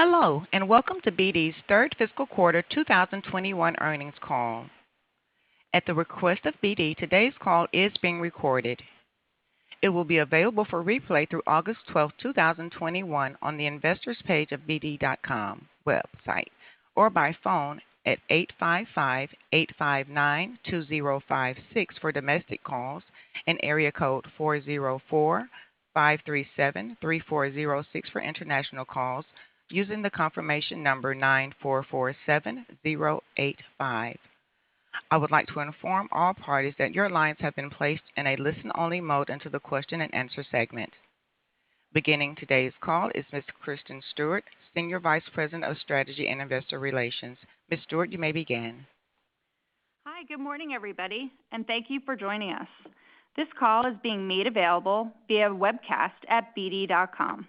Hello, and welcome to BD's third fiscal quarter 2021 earnings call. At the request of BD, today's call is being recorded. It will be available for replay through August 12th, 2021 on the investors page of bd.com website or by phone at 855-859-2056 for domestic calls and area code 404-537-3406 for international calls, using the confirmation number 9447085. I would like to inform all parties that your lines have been placed in a listen-only mode until the question-and-answer segment. Beginning today's call is Kristen Stewart, Senior Vice President of Strategy and Investor Relations. Kristen Stewart, you may begin. Hi, good morning, everybody, and thank you for joining us. This call is being made available via webcast at bd.com.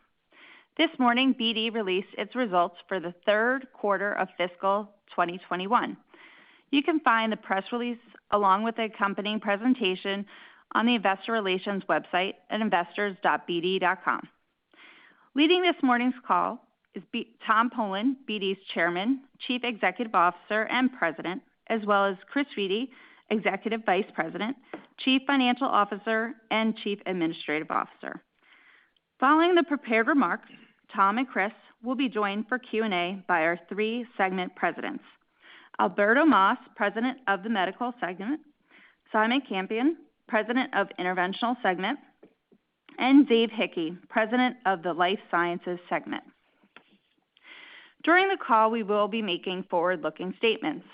This morning, BD released its results for the third quarter of fiscal 2021. You can find the press release along with the accompanying presentation on the investor relations website at investors.bd.com. Leading this morning's call is Tom Polen, BD's Chairman, Chief Executive Officer and President, as well as Christopher DelOrefice, Executive Vice President and Chief Financial Officer and Chief Administrative Officer. Following the prepared remarks, Tom and Chris will be joined for Q&A by our three segment presidents: Alberto Mas, President of the Medical Segment, Simon Campion, President of Interventional segment, and Dave Hickey, President of the Life Sciences segment. During the call, we will be making forward-looking statements.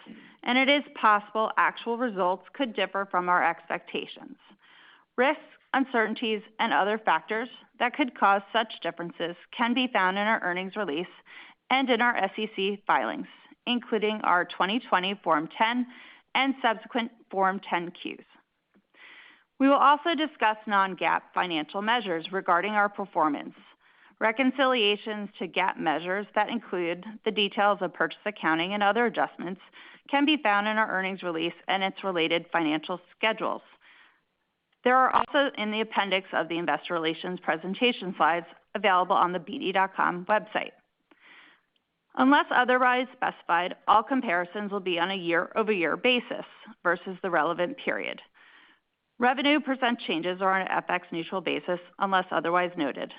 It is possible actual results could differ from our expectations. Risks, uncertainties, and other factors that could cause such differences can be found in our earnings release and in our SEC filings, including our 2020 Form 10 and subsequent Form 10-Qs. We will also discuss non-GAAP financial measures regarding our performance. Reconciliations to GAAP measures that include the details of purchase accounting and other adjustments can be found in our earnings release and its related financial schedules. They are also in the appendix of the investor relations presentation slides available on the bd.com website. Unless otherwise specified, all comparisons will be on a year-over-year basis versus the relevant period. Revenue percentage changes are on an FX-neutral basis unless otherwise noted.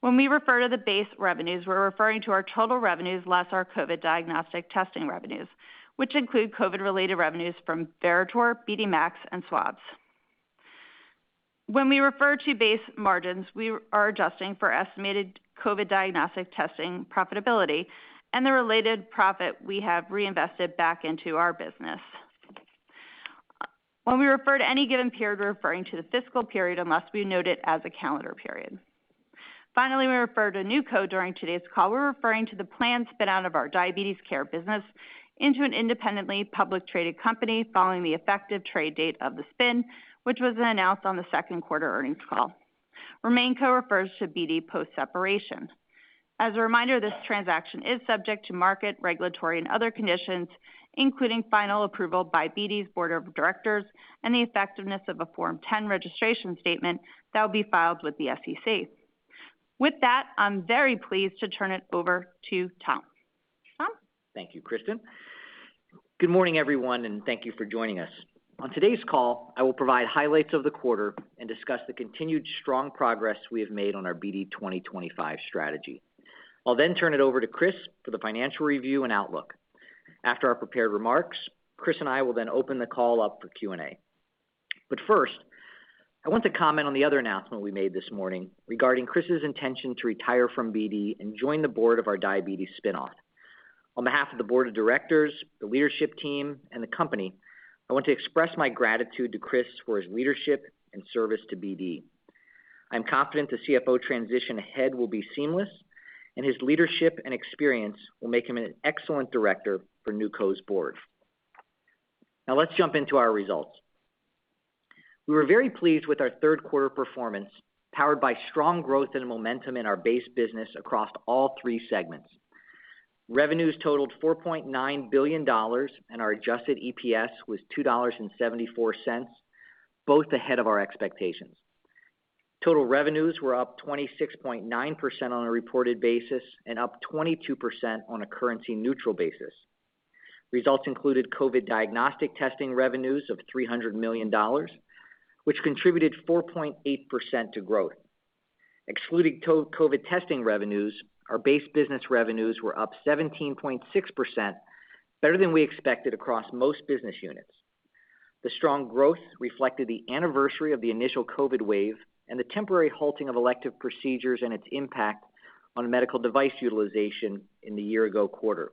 When we refer to the base revenues, we're referring to our total revenues less our COVID diagnostic testing revenues, which include COVID-related revenues from Veritor, BD MAX, and swabs. When we refer to base margins, we are adjusting for estimated COVID diagnostic testing profitability and the related profit we have reinvested back into our business. When we refer to any given period, we're referring to the fiscal period unless we note it as a calendar period. Finally, when we refer to NewCo during today's call, we're referring to the planned spin-out of our diabetes care business into an independently public traded company following the effective trade date of the spin, which was announced on the second quarter earnings call. RemainCo refers to BD post-separation. As a reminder, this transaction is subject to market, regulatory, and other conditions, including final approval by BD's Board of Directors and the effectiveness of a Form 10 registration statement that will be filed with the SEC. With that, I'm very pleased to turn it over to Tom. Tom? Thank you, Kristen. Good morning, everyone, and thank you for joining us. On today's call, I will provide highlights of the quarter and discuss the continued strong progress we have made on our BD 2025 strategy. I'll then turn it over to Chris for the financial review and outlook. After our prepared remarks, Chris and I will then open the call up for Q&A. First, I want to comment on the other announcement we made this morning regarding Chris's intention to retire from BD and join the board of our diabetes spin-off. On behalf of the board of directors, the leadership team, and the company, I want to express my gratitude to Chris for his leadership and service to BD. His leadership and experience will make him an excellent director for NewCo's board. Now let's jump into our results. We were very pleased with our third quarter performance, powered by strong growth and momentum in our base business across all three segments. Revenues totaled $4.9 billion, and our adjusted EPS was $2.74, both ahead of our expectations. Total revenues were up 26.9% on a reported basis and up 22% on a currency-neutral basis. Results included COVID diagnostic testing revenues of $300 million, which contributed 4.8% to growth. Excluding COVID testing revenues, our base business revenues were up 17.6%, better than we expected across most business units. The strong growth reflected the anniversary of the initial COVID wave and the temporary halting of elective procedures and its impact on medical device utilization in the year-ago quarter.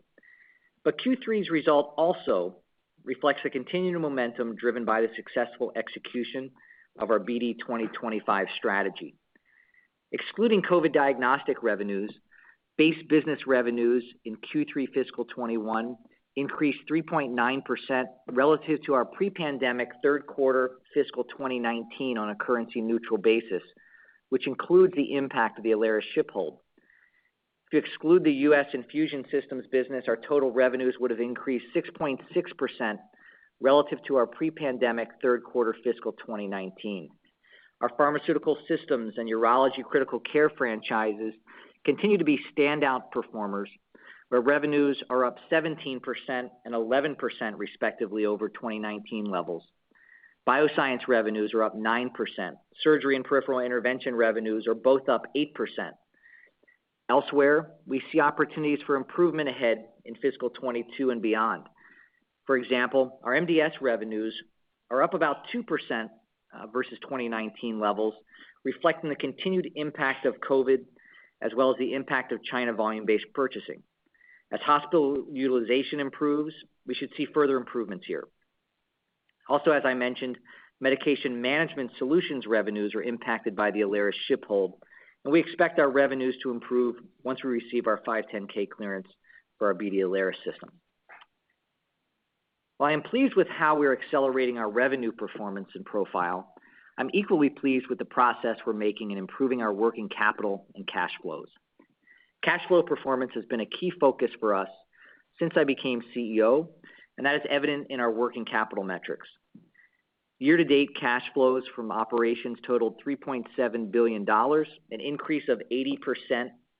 Q3's result also reflects the continuing momentum driven by the successful execution of our BD 2025 strategy. Excluding COVID diagnostic revenues, base business revenues in Q3 fiscal 2021 increased 3.9% relative to our pre-pandemic third quarter fiscal 2019 on a currency-neutral basis, which includes the impact of the Alaris ship hold. If you exclude the U.S. infusion systems business, our total revenues would have increased 6.6% relative to our pre-pandemic third quarter fiscal 2019. Our Pharmaceutical Systems and Urology and Critical Care franchises continue to be standout performers, where revenues are up 17% and 11%, respectively, over 2019 levels. Biosciences revenues are up 9%. Surgery and Peripheral Intervention revenues are both up 8%. Elsewhere, we see opportunities for improvement ahead in fiscal 2022 and beyond. For example, our MDS revenues are up about 2% versus 2019 levels, reflecting the continued impact of COVID, as well as the impact of China volume-based purchasing. As hospital utilization improves, we should see further improvements here. As I mentioned, medication management solutions revenues are impacted by the Alaris ship hold, and we expect our revenues to improve once we receive our 510(k) clearance for our BD Alaris system. While I am pleased with how we're accelerating our revenue performance and profile, I'm equally pleased with the progress we're making in improving our working capital and cash flows. Cash flow performance has been a key focus for us since I became CEO. That is evident in our working capital metrics. Year-to-date cash flows from operations totaled $3.7 billion, an increase of 80%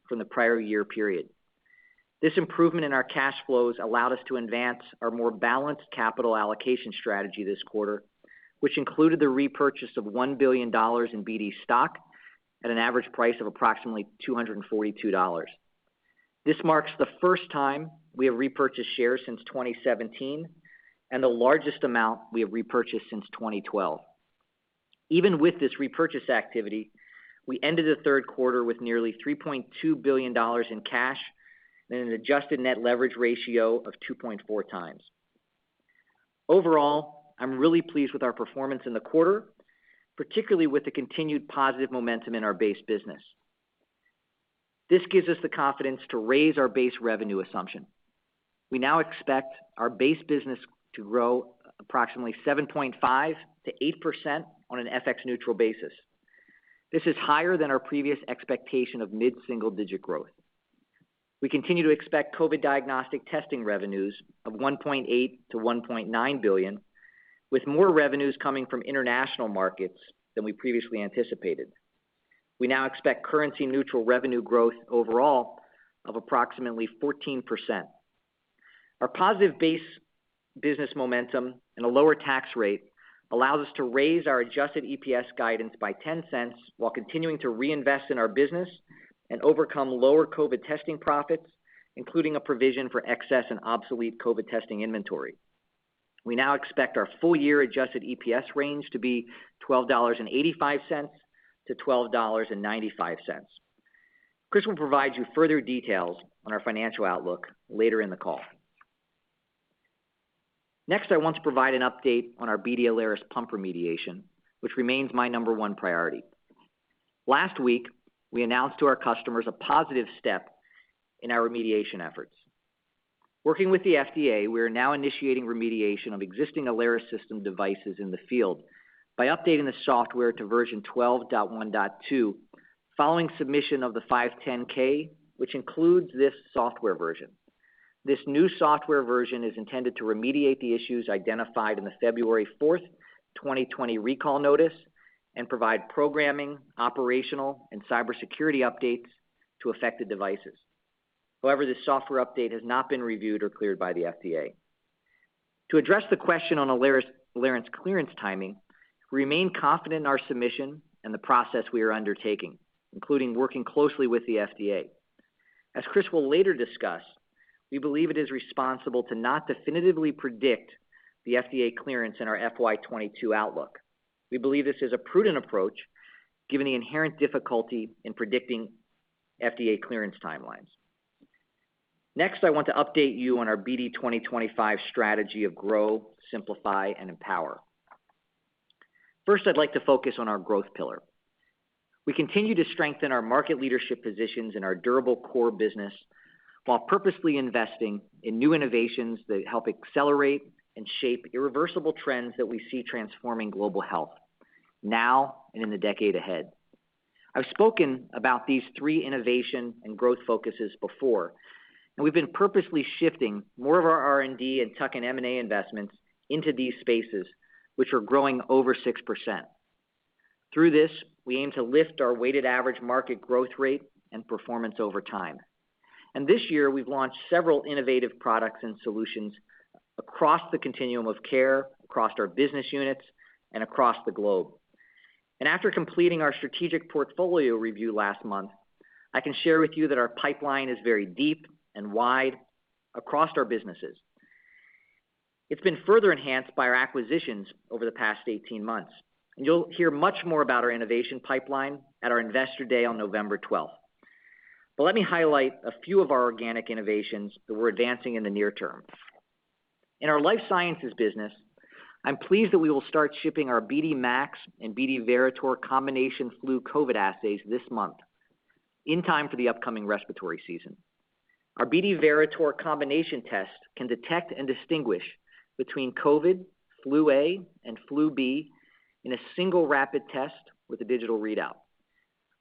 from the prior year period. This improvement in our cash flows allowed us to advance our more balanced capital allocation strategy this quarter, which included the repurchase of $1 billion in BD stock at an average price of approximately $242. This marks the first time we have repurchased shares since 2017, and the largest amount we have repurchased since 2012. Even with this repurchase activity, we ended the third quarter with nearly $3.2 billion in cash and an adjusted net leverage ratio of 2.4x. Overall, I'm really pleased with our performance in the quarter, particularly with the continued positive momentum in our base business. This gives us the confidence to raise our base revenue assumption. We now expect our base business to grow approximately 7.5%-8% on an FX-neutral basis. This is higher than our previous expectation of mid-single digit growth. We continue to expect COVID diagnostic testing revenues of $1.8-1.9 billion, with more revenues coming from international markets than we previously anticipated. We now expect currency neutral revenue growth overall of approximately 14%. Our positive base business momentum and a lower tax rate allows us to raise our adjusted EPS guidance by $0.10 while continuing to reinvest in our business and overcome lower COVID testing profits, including a provision for excess and obsolete COVID testing inventory. We now expect our full-year adjusted EPS range to be $12.85-12.95. Chris will provide you further details on our financial outlook later in the call. I want to provide an update on our BD Alaris pump remediation, which remains my number one priority. Last week, we announced to our customers a positive step in our remediation efforts. Working with the FDA, we are now initiating remediation of existing Alaris system devices in the field by updating the software to version 12.1.2 following submission of the 510(k), which includes this software version. This new software version is intended to remediate the issues identified in the February 4th, 2020 recall notice and provide programming, operational, and cybersecurity updates to affected devices. However, this software update has not been reviewed or cleared by the FDA. To address the question on Alaris clearance timing, we remain confident in our submission and the process we are undertaking, including working closely with the FDA. As Chris will later discuss, we believe it is responsible to not definitively predict the FDA clearance in our FY 2022 outlook. We believe this is a prudent approach given the inherent difficulty in predicting FDA clearance timelines. Next, I want to update you on our BD 2025 strategy of grow, simplify, and empower. First, I'd like to focus on our growth pillar. We continue to strengthen our market leadership positions in our durable core business while purposely investing in new innovations that help accelerate and shape irreversible trends that we see transforming global health now and in the decade ahead. We've spoken about these three innovation and growth focuses before, we've been purposely shifting more of our R&D and tuck-in M&A investments into these spaces, which are growing over 6%. Through this, we aim to lift our weighted average market growth rate and performance over time. This year, we've launched several innovative products and solutions across the continuum of care, across our business units, and across the globe. After completing our strategic portfolio review last month, I can share with you that our pipeline is very deep and wide across our businesses. It's been further enhanced by our acquisitions over the past 18 months. You'll hear much more about our innovation pipeline at our Investor Day on November 12th. Let me highlight a few of our organic innovations that we're advancing in the near term. In our Life Sciences business, I'm pleased that we will start shipping our BD MAX and BD Veritor combination flu COVID assays this month, in time for the upcoming respiratory season. Our BD Veritor combination test can detect and distinguish between COVID, flu A and flu B in a single rapid test with a digital readout.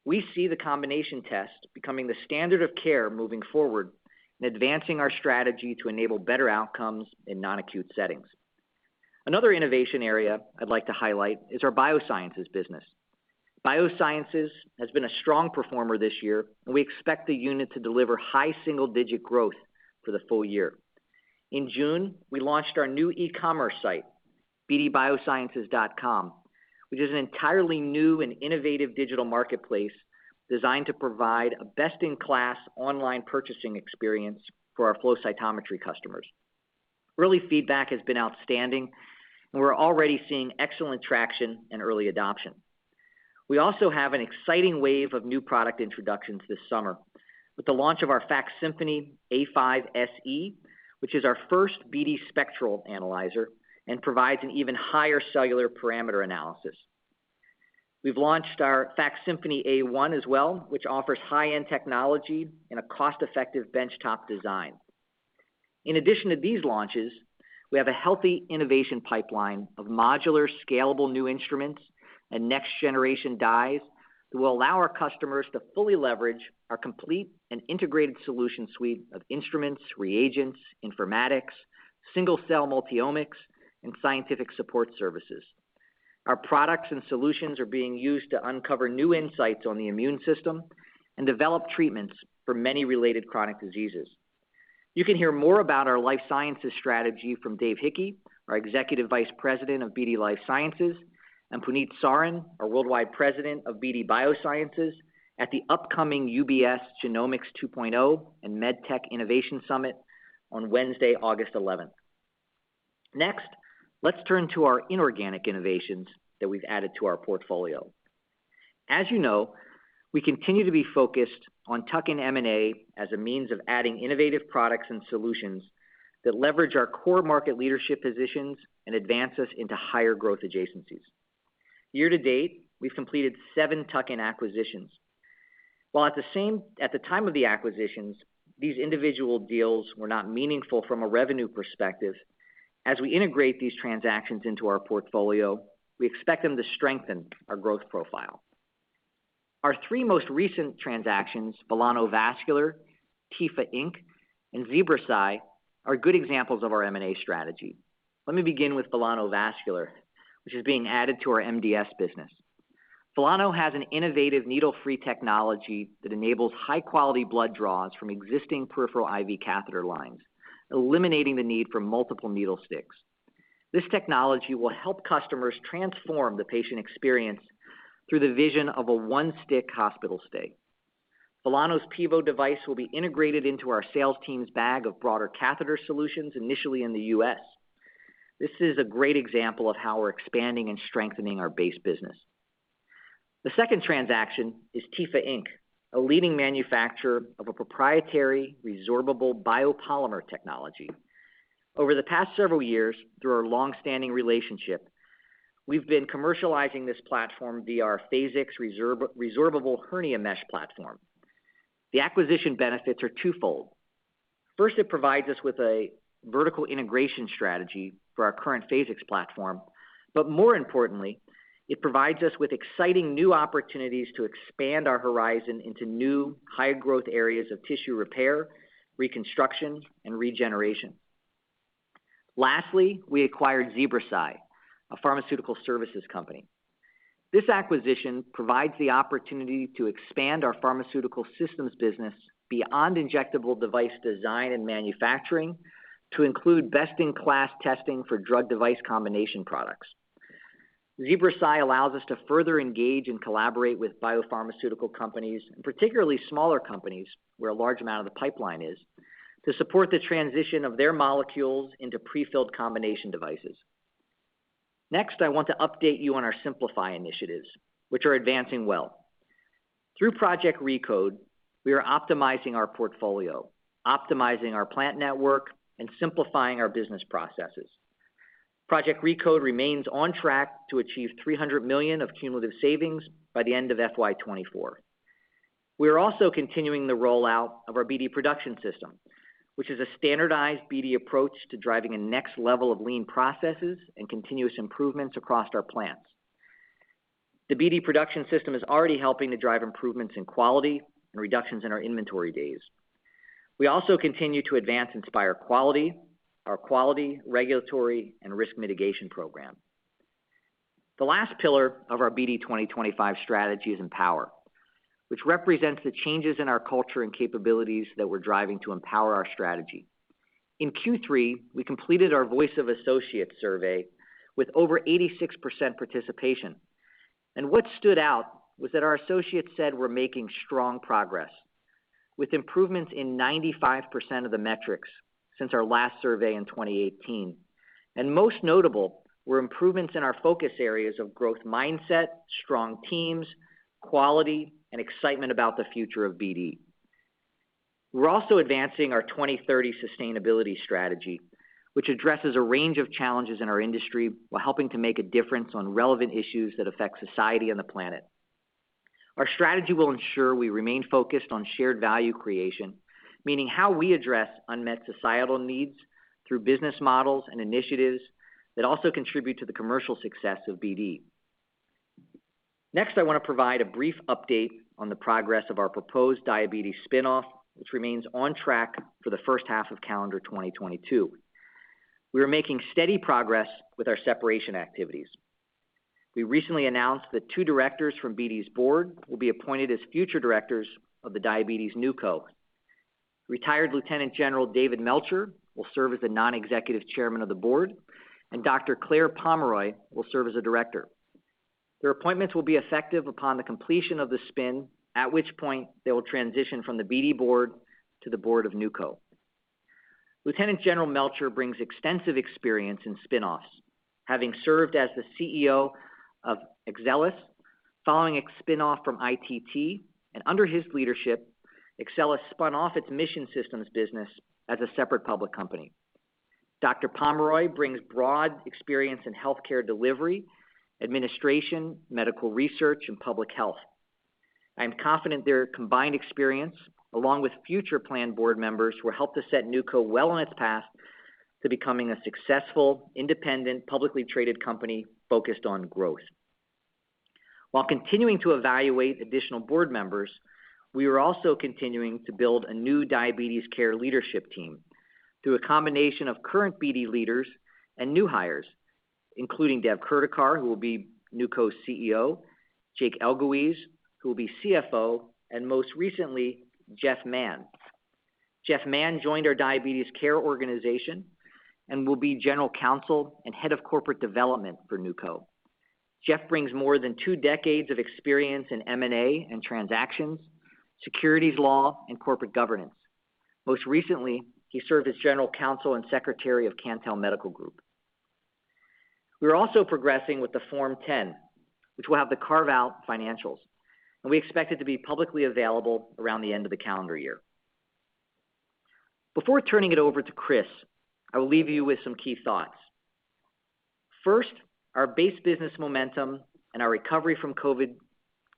We see the combination test becoming the standard of care moving forward in advancing our strategy to enable better outcomes in non-acute settings. Another innovation area I'd like to highlight is our BD Biosciences business. Biosciences has been a strong performer this year, and we expect the unit to deliver high single-digit growth for the full-year. In June, we launched our new e-commerce site, bdbiosciences.com, which is an entirely new and innovative digital marketplace designed to provide a best-in-class online purchasing experience for our flow cytometry customers. Early feedback has been outstanding, and we're already seeing excellent traction and early adoption. We also have an exciting wave of new product introductions this summer with the launch of our BD FACSymphony A5 SE, which is our first BD spectral analyzer and provides an even higher cellular parameter analysis. We've launched our BD FACSymphony A1 as well, which offers high-end technology in a cost-effective benchtop design. In addition to these launches, we have a healthy innovation pipeline of modular, scalable new instruments and next-generation dyes that will allow our customers to fully leverage our complete and integrated solution suite of instruments, reagents, informatics, single-cell multi-omics, and scientific support services. Our products and solutions are being used to uncover new insights on the immune system and develop treatments for many related chronic diseases. You can hear more about our life sciences strategy from Dave Hickey, our Executive Vice President of BD Life Sciences, and Puneet Sarin, our Worldwide President of BD Biosciences, at the upcoming UBS Genomics 2.0 and MedTech Innovation Summit on Wednesday, August 11th. Let's turn to our inorganic innovations that we've added to our portfolio. As you know, we continue to be focused on tuck-in M&A as a means of adding innovative products and solutions that leverage our core market leadership positions and advance us into higher growth adjacencies. Year to date, we've completed seven tuck-in acquisitions. While at the time of the acquisitions, these individual deals were not meaningful from a revenue perspective, as we integrate these transactions into our portfolio, we expect them to strengthen our growth profile. Our three most recent transactions, Velano Vascular, Tepha, Inc., and ZebraSci, are good examples of our M&A strategy. Let me begin with Velano Vascular, which is being added to our MDS business. Velano has an innovative needle-free technology that enables high-quality blood draws from existing peripheral IV catheter lines, eliminating the need for multiple needle sticks. This technology will help customers transform the patient experience through the vision of a one-stick hospital stay. Velano's PIVO device will be integrated into our sales team's bag of broader catheter solutions, initially in the U.S. This is a great example of how we're expanding and strengthening our base business. The second transaction is Tepha, Inc., a leading manufacturer of a proprietary resorbable biopolymer technology. Over the past several years, through our long-standing relationship, we've been commercializing this platform via our Phasix resorbable hernia mesh platform. The acquisition benefits are twofold. First, it provides us with a vertical integration strategy for our current Phasix platform, but more importantly, it provides us with exciting new opportunities to expand our horizon into new, high-growth areas of tissue repair, reconstruction, and regeneration. Lastly, we acquired ZebraSci, a pharmaceutical services company. This acquisition provides the opportunity to expand our Pharmaceutical Systems business beyond injectable device design and manufacturing to include best-in-class testing for drug device combination products. ZebraSci allows us to further engage and collaborate with biopharmaceutical companies, and particularly smaller companies, where a large amount of the pipeline is, to support the transition of their molecules into pre-filled combination devices. Next, I want to update you on our simplify initiatives, which are advancing well. Through Project RECODE, we are optimizing our portfolio, optimizing our plant network, and simplifying our business processes. Project RECODE remains on track to achieve $300 million of cumulative savings by the end of FY 2024. We are also continuing the rollout of our BD Production System, which is a standardized BD approach to driving a next level of lean processes and continuous improvements across our plants. The BD Production System is already helping to drive improvements in quality and reductions in our inventory days. We also continue to advance Inspire Quality, our quality, regulatory, and risk mitigation program. The last pillar of our BD 2025 strategy is Empower, which represents the changes in our culture and capabilities that we're driving to empower our strategy. In Q3, we completed our Voice of Associate survey with over 86% participation. What stood out was that our associates said we're making strong progress, with improvements in 95% of the metrics since our last survey in 2018. Most notable were improvements in our focus areas of growth mindset, strong teams, quality, and excitement about the future of BD. We're also advancing our 2030 Sustainability Strategy, which addresses a range of challenges in our industry while helping to make a difference on relevant issues that affect society and the planet. Our strategy will ensure we remain focused on shared value creation, meaning how we address unmet societal needs through business models and initiatives that also contribute to the commercial success of BD. I want to provide a brief update on the progress of our proposed diabetes spinoff, which remains on track for the first half of calendar 2022. We are making steady progress with our separation activities. We recently announced that two directors from BD's board will be appointed as future directors of the diabetes NewCo. Retired Lieutenant General David Melcher will serve as the non-executive chairman of the board, and Dr. Claire Pomeroy will serve as a director. Their appointments will be effective upon the completion of the spin, at which point they will transition from the BD board to the board of NewCo. Lieutenant General Melcher brings extensive experience in spinoffs, having served as the CEO of Exelis following its spinoff from ITT, and under his leadership, Exelis spun off its mission systems business as a separate public company. Dr. Claire Pomeroy brings broad experience in healthcare delivery, administration, medical research, and public health. I am confident their combined experience, along with future planned board members, will help to set NewCo well on its path to becoming a successful, independent, publicly traded company focused on growth. While continuing to evaluate additional board members, we are also continuing to build a new diabetes care leadership team through a combination of current BD leaders and new hires, including Dev Kurdikar, who will be NewCo's CEO, Jake Elguicze, who will be CFO, and most recently, Jeff Mann. Jeff Mann joined our diabetes care organization and will be General Counsel and Head of Corporate Development for NewCo. Jeff brings more than two decades of experience in M&A and transactions, securities law, and corporate governance. Most recently, he served as General Counsel and Secretary of Cantel Medical Corp. We are also progressing with the Form 10, which will have the carve-out financials, and we expect it to be publicly available around the end of the calendar year. Before turning it over to Chris, I will leave you with some key thoughts. First, our base business momentum and our recovery from COVID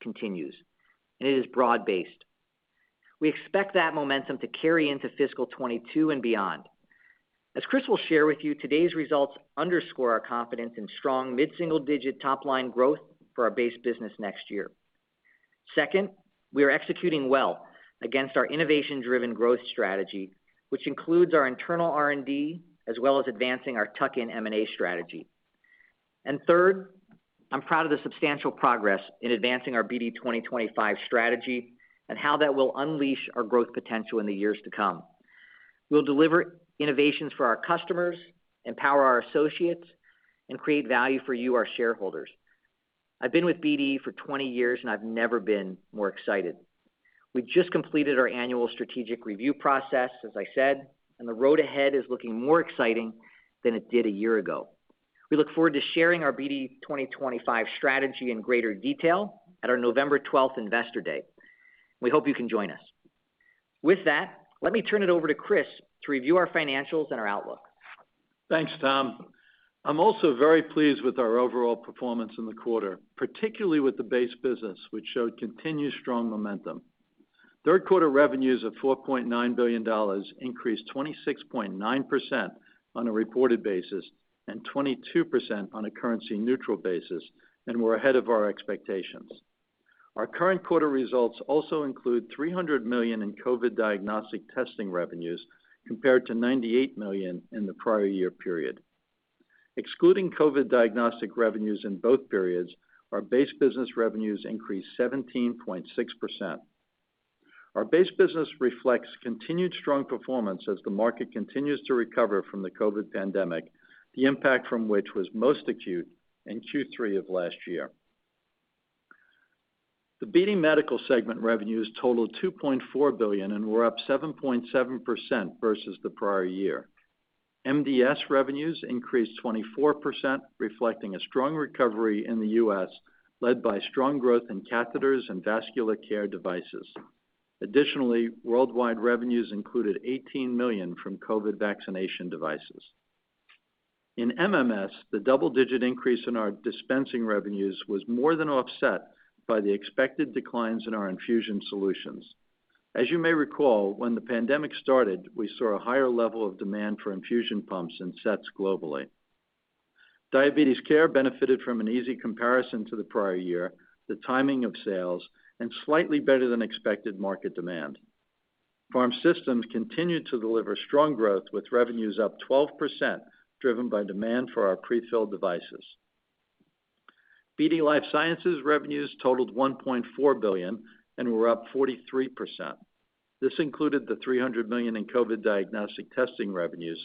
continues, and it is broad-based. We expect that momentum to carry into fiscal 2022 and beyond. As Chris will share with you, today's results underscore our confidence in strong mid-single-digit top-line growth for our base business next year. Second, we are executing well against our innovation-driven growth strategy, which includes our internal R&D, as well as advancing our tuck-in M&A strategy. Third, I'm proud of the substantial progress in advancing our BD 2025 strategy and how that will unleash our growth potential in the years to come. We'll deliver innovations for our customers, empower our associates, and create value for you, our shareholders. I've been with BD for 20 years, and I've never been more excited. We just completed our annual strategic review process, as I said, and the road ahead is looking more exciting than it did a year ago. We look forward to sharing our BD 2025 strategy in greater detail at our November 12th investor day. We hope you can join us. With that, let me turn it over to Chris to review our financials and our outlook. Thanks, Tom. I'm also very pleased with our overall performance in the quarter, particularly with the base business, which showed continued strong momentum. Third quarter revenues of $4.9 billion increased 26.9% on a reported basis and 22% on a currency-neutral basis and were ahead of our expectations. Our current quarter results also include $300 million in COVID diagnostic testing revenues, compared to $98 million in the prior year period. Excluding COVID diagnostic revenues in both periods, our base business revenues increased 17.6%. Our base business reflects continued strong performance as the market continues to recover from the COVID pandemic, the impact from which was most acute in Q3 of last year. The BD Medical segment revenues totaled $2.4 billion and were up 7.7% versus the prior year. MDS revenues increased 24%, reflecting a strong recovery in the U.S., led by strong growth in catheters and vascular care devices. Worldwide revenues included $18 million from COVID vaccination devices. In MMS, the double-digit increase in our dispensing revenues was more than offset by the expected declines in our infusion solutions. As you may recall, when the pandemic started, we saw a higher level of demand for infusion pumps and sets globally. Diabetes care benefited from an easy comparison to the prior year, the timing of sales, and slightly better than expected market demand. Pharm Systems continued to deliver strong growth, with revenues up 12%, driven by demand for our prefilled devices. BD Life Sciences revenues totaled $1.4 billion and were up 43%. This included $300 million in COVID diagnostic testing revenues,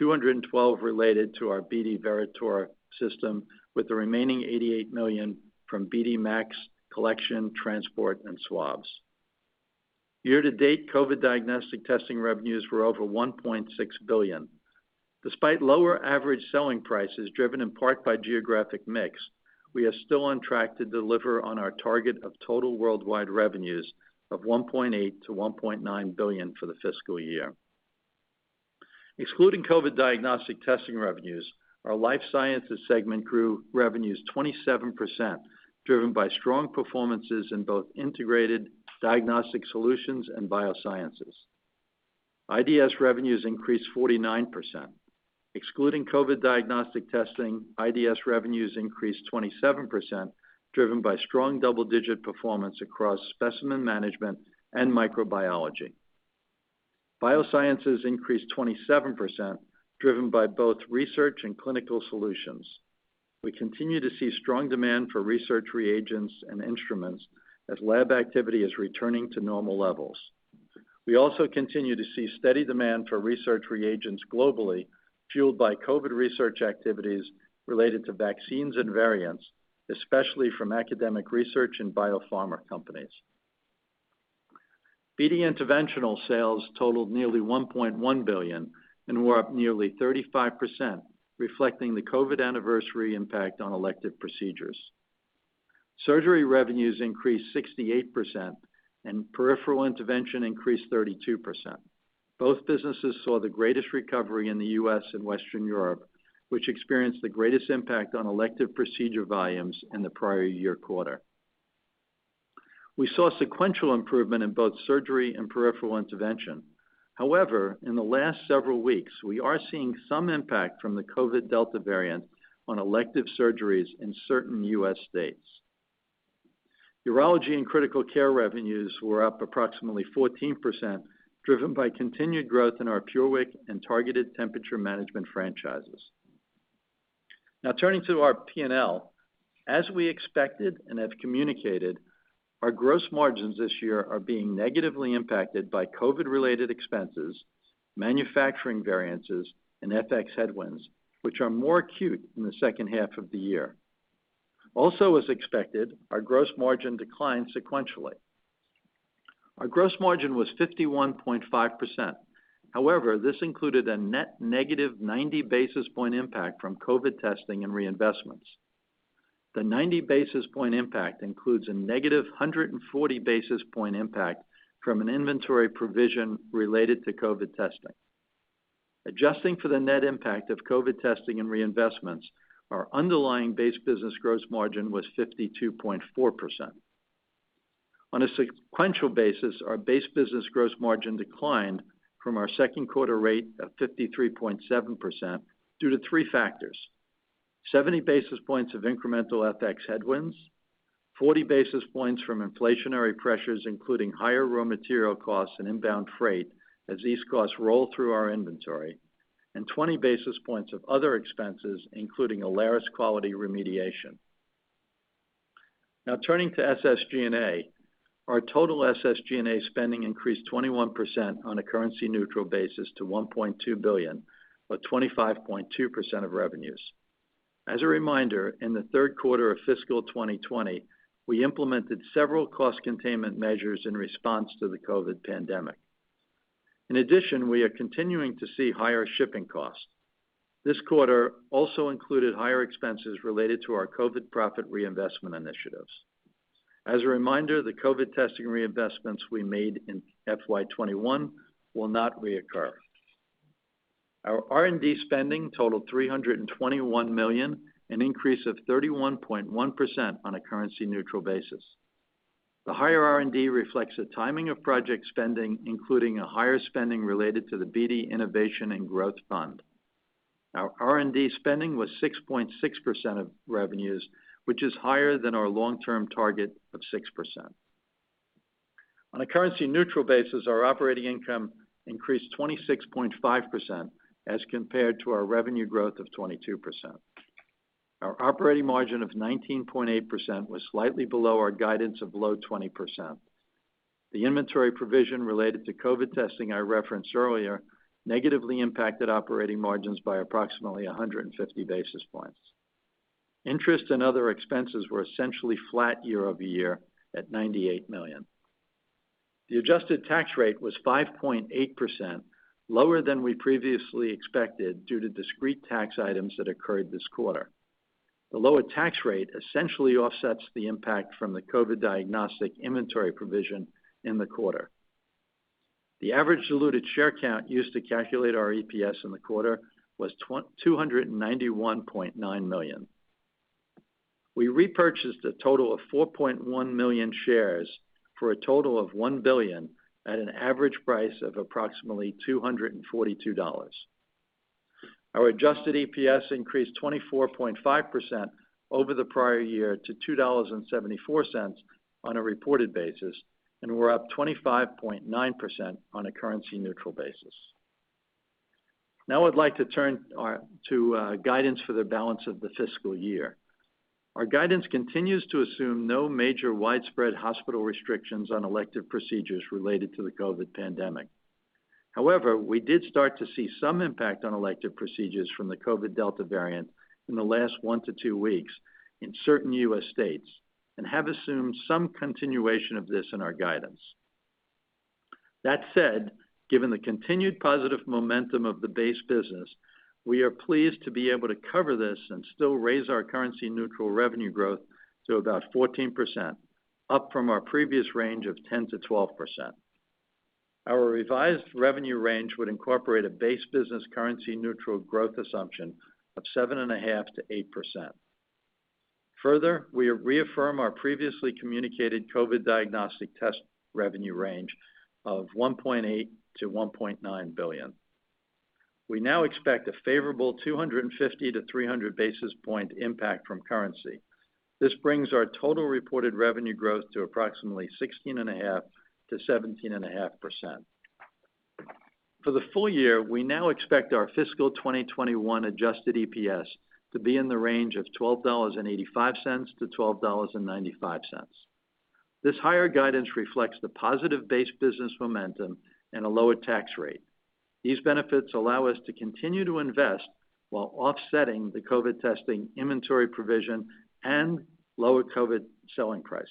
$212 million related to our BD Veritor system, with the remaining $88 million from BD MAX collection, transport, and swabs. Year-to-date, COVID diagnostic testing revenues were over $1.6 billion. Despite lower average selling prices driven in part by geographic mix, we are still on track to deliver on our target of total worldwide revenues of $1.8-1.9 billion for the fiscal year. Excluding COVID diagnostic testing revenues, our BD Life Sciences segment grew revenues 27%, driven by strong performances in both Integrated Diagnostic Solutions and BD Biosciences. IDS revenues increased 49%. Excluding COVID diagnostic testing, IDS revenues increased 27%, driven by strong double-digit performance across specimen management and microbiology. BD Biosciences increased 27%, driven by both research and clinical solutions. We continue to see strong demand for research reagents and instruments as lab activity is returning to normal levels. We also continue to see steady demand for research reagents globally, fueled by COVID research activities related to vaccines and variants, especially from academic research and biopharma companies. BD Interventional sales totaled nearly $1.1 billion and were up nearly 35%, reflecting the COVID anniversary impact on elective procedures. Surgery revenues increased 68%, peripheral intervention increased 32%. Both businesses saw the greatest recovery in the U.S. and Western Europe, which experienced the greatest impact on elective procedure volumes in the prior year quarter. We saw sequential improvement in both surgery and peripheral intervention. However, in the last several weeks, we are seeing some impact from the COVID Delta variant on elective surgeries in certain U.S. states. Urology and critical care revenues were up approximately 14%, driven by continued growth in our PureWick and targeted temperature management franchises. Turning to our P&L. As we expected and have communicated, our gross margins this year are being negatively impacted by COVID-related expenses, manufacturing variances, and FX headwinds, which are more acute in the second half of the year. As expected, our gross margin declined sequentially. Our gross margin was 51.5%. This included a net -90 basis point impact from COVID testing and reinvestments. The 90 basis point impact includes a -140 basis point impact from an inventory provision related to COVID testing. Adjusting for the net impact of COVID testing and reinvestments, our underlying base business gross margin was 52.4%. On a sequential basis, our base business gross margin declined from our second quarter rate of 53.7% due to three factors. 70 basis points of incremental FX headwinds, 40 basis points from inflationary pressures, including higher raw material costs and inbound freight, as these costs roll through our inventory, and 20 basis points of other expenses, including Alaris quality remediation. Turning to SSG&A. Our total SSG&A spending increased 21% on a currency neutral basis to $1.2 billion, or 25.2% of revenues. In the third quarter of fiscal 2020, we implemented several cost containment measures in response to the COVID pandemic. We are continuing to see higher shipping costs. This quarter also included higher expenses related to our COVID profit reinvestment initiatives. The COVID testing reinvestments we made in FY 2021 will not reoccur. Our R&D spending totaled $321 million, an increase of 31.1% on a currency neutral basis. The higher R&D reflects the timing of project spending, including a higher spending related to the BD Innovation and Growth Fund. Our R&D spending was 6.6% of revenues, which is higher than our long-term target of 6%. On a currency neutral basis, our operating income increased 26.5% as compared to our revenue growth of 22%. Our operating margin of 19.8% was slightly below our guidance of below 20%. The inventory provision related to COVID testing I referenced earlier negatively impacted operating margins by approximately 150 basis points. Interest and other expenses were essentially flat year-over-year at $98 million. The adjusted tax rate was 5.8%, lower than we previously expected due to discrete tax items that occurred this quarter. The lower tax rate essentially offsets the impact from the COVID diagnostic inventory provision in the quarter. The average diluted share count used to calculate our EPS in the quarter was 291.9 million. We repurchased a total of 4.1 million shares for a total of $1 billion at an average price of approximately $242. Our adjusted EPS increased 24.5% over the prior year to $2.74 on a reported basis, and we're up 25.9% on a currency neutral basis. I'd like to turn to guidance for the balance of the fiscal year. Our guidance continues to assume no major widespread hospital restrictions on elective procedures related to the COVID pandemic. We did start to see some impact on elective procedures from the Delta variant in the last one to two weeks in certain U.S. states and have assumed some continuation of this in our guidance. Given the continued positive momentum of the base business, we are pleased to be able to cover this and still raise our currency neutral revenue growth to about 14%. Up from our previous range of 10%-12%. Our revised revenue range would incorporate a base business currency neutral growth assumption of 7.5%-8%. We reaffirm our previously communicated COVID diagnostic test revenue range of $1.8-1.9 billion. We now expect a favorable 250-300 basis points impact from currency. This brings our total reported revenue growth to approximately 16.5%-17.5%. For the full-year, we now expect our fiscal 2021 adjusted EPS to be in the range of $12.85-12.95. This higher guidance reflects the positive base business momentum and a lower tax rate. These benefits allow us to continue to invest while offsetting the COVID testing inventory provision and lower COVID selling prices.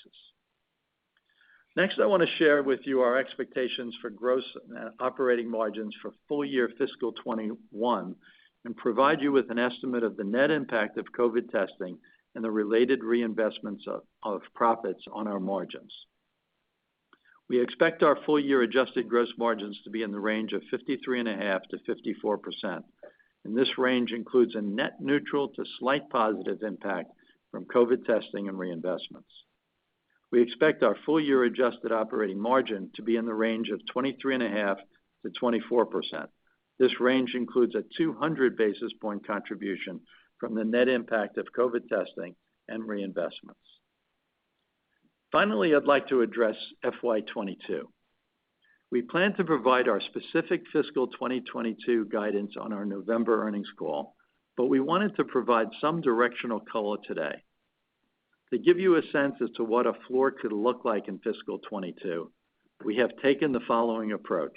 I want to share with you our expectations for gross operating margins for full-year fiscal 2021 and provide you with an estimate of the net impact of COVID testing and the related reinvestments of profits on our margins. We expect our full-year adjusted gross margins to be in the range of 53.5%-54%, and this range includes a net neutral to slight positive impact from COVID testing and reinvestments. We expect our full-year adjusted operating margin to be in the range of 23.5%-24%. This range includes a 200 basis point contribution from the net impact of COVID testing and reinvestments. I'd like to address FY 2022. We plan to provide our specific fiscal 2022 guidance on our November earnings call. We wanted to provide some directional color today. To give you a sense as to what a floor could look like in fiscal 2022, we have taken the following approach.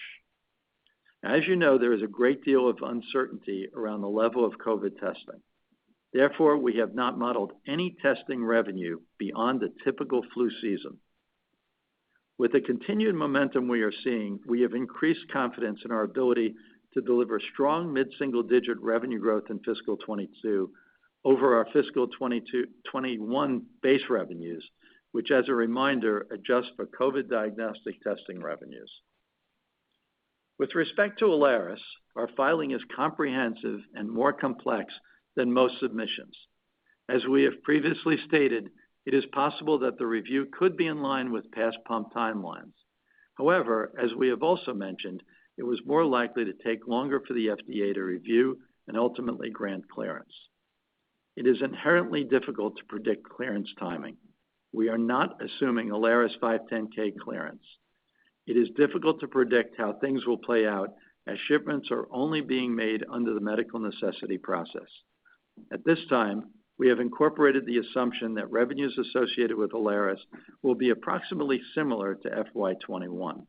As you know, there is a great deal of uncertainty around the level of COVID testing. Therefore, we have not modeled any testing revenue beyond a typical flu season. With the continued momentum we are seeing, we have increased confidence in our ability to deliver strong mid-single-digit revenue growth in fiscal 2022 over our fiscal 2021 base revenues, which as a reminder, adjust for COVID diagnostic testing revenues. With respect to Alaris, our filing is comprehensive and more complex than most submissions. As we have previously stated, it is possible that the review could be in line with past pump timelines. However, as we have also mentioned, it was more likely to take longer for the FDA to review and ultimately grant clearance. It is inherently difficult to predict clearance timing. We are not assuming Alaris 510(k) clearance. It is difficult to predict how things will play out as shipments are only being made under the medical necessity process. At this time, we have incorporated the assumption that revenues associated with Alaris will be approximately similar to FY 2021.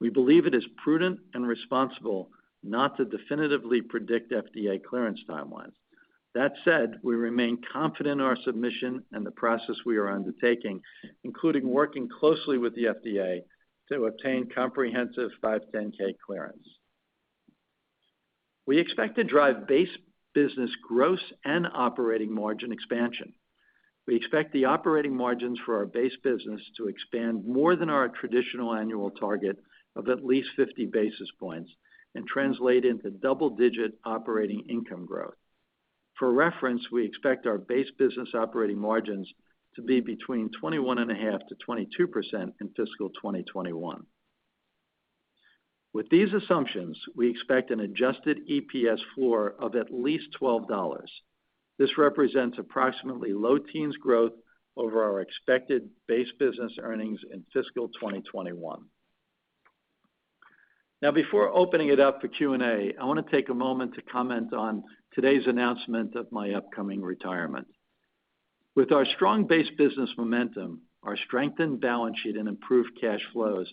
We believe it is prudent and responsible not to definitively predict FDA clearance timelines. That said, we remain confident in our submission and the process we are undertaking, including working closely with the FDA to obtain comprehensive 510(k) clearance. We expect to drive base business gross and operating margin expansion. We expect the operating margins for our base business to expand more than our traditional annual target of at least 50 basis points and translate into double-digit operating income growth. For reference, we expect our base business operating margins to be between 21.5%-22% in fiscal 2021. With these assumptions, we expect an adjusted EPS floor of at least $12. This represents approximately low teens growth over our expected base business earnings in fiscal 2021. Now, before opening it up for Q&A, I want to take a moment to comment on today's announcement of my upcoming retirement. With our strong base business momentum, our strengthened balance sheet, and improved cash flows,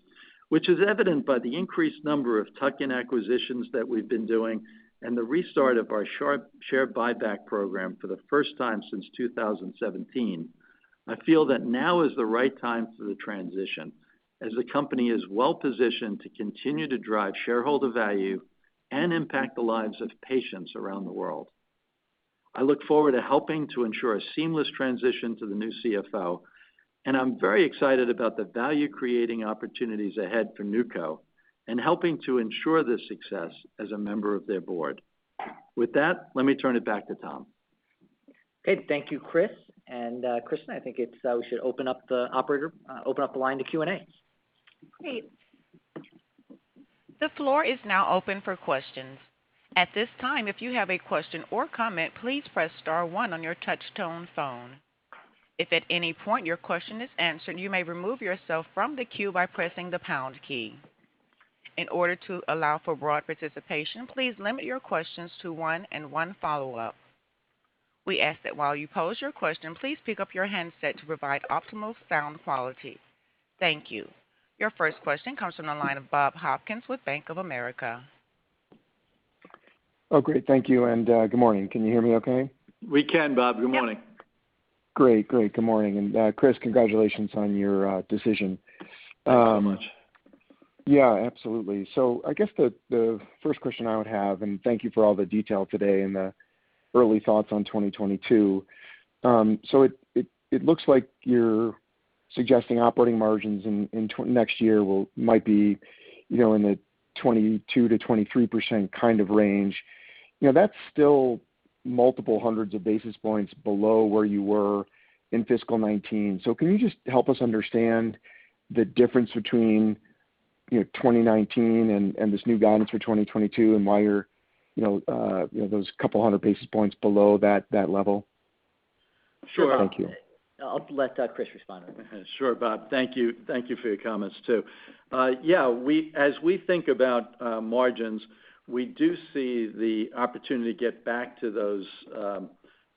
which is evident by the increased number of tuck-in acquisitions that we've been doing and the restart of our share buyback program for the first time since 2017, I feel that now is the right time for the transition, as the company is well positioned to continue to drive shareholder value and impact the lives of patients around the world. I look forward to helping to ensure a seamless transition to the new CFO, and I'm very excited about the value-creating opportunities ahead for NewCo and helping to ensure their success as a member of their board. With that, let me turn it back to Tom. Good. Thank you, Chris. Kristen, I think we should open up the line to Q&A. Great. The floor is now open for questions. Your first question comes from the line of Bob Hopkins with Bank of America. Oh, great. Thank you, and good morning. Can you hear me okay? We can, Bob. Good morning. Great. Good morning. Chris, congratulations on your decision. Thank you so much. Absolutely. I guess the first question I would have, and thank you for all the detail today and the early thoughts on 2022. It looks like you're suggesting operating margins next year might be in the 22%-23% kind of range. That's still multiple hundreds of basis points below where you were in fiscal 2019. Can you just help us understand the difference between 2019 and this new guidance for 2022 and why you're those couple 100 basis points below that level? Sure. I'll let Chris respond. Sure, Bob. Thank you for your comments, too. Yeah, as we think about margins, we do see the opportunity to get back to those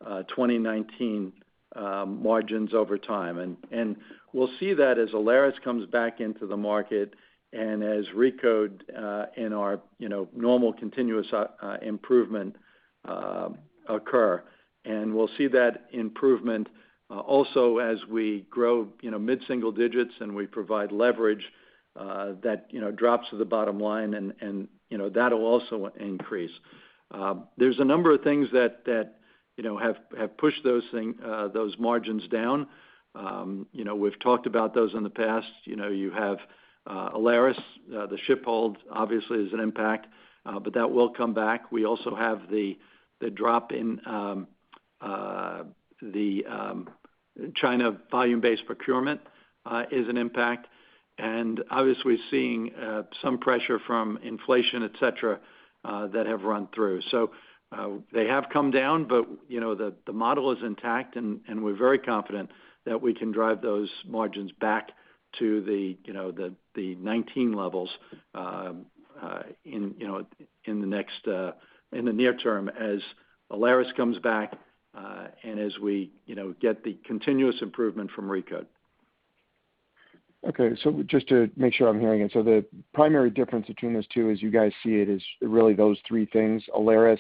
2019 margins over time. We'll see that as Alaris comes back into the market and as RECODE and our normal continuous improvement occur. We'll see that improvement also as we grow mid-single digits and we provide leverage that drops to the bottom line, and that'll also increase. There's a number of things that have pushed those margins down. We've talked about those in the past. You have Alaris, the ship hold obviously is an impact, but that will come back. We also have the drop in the China volume-based procurement is an impact, and obviously seeing some pressure from inflation, et cetera, that have run through. They have come down, but the model is intact, and we're very confident that we can drive those margins back to the 2019 levels in the near term as Alaris comes back and as we get the continuous improvement from RECODE. Okay, just to make sure I'm hearing it. The primary difference between those two, as you guys see it, is really those three things, Alaris,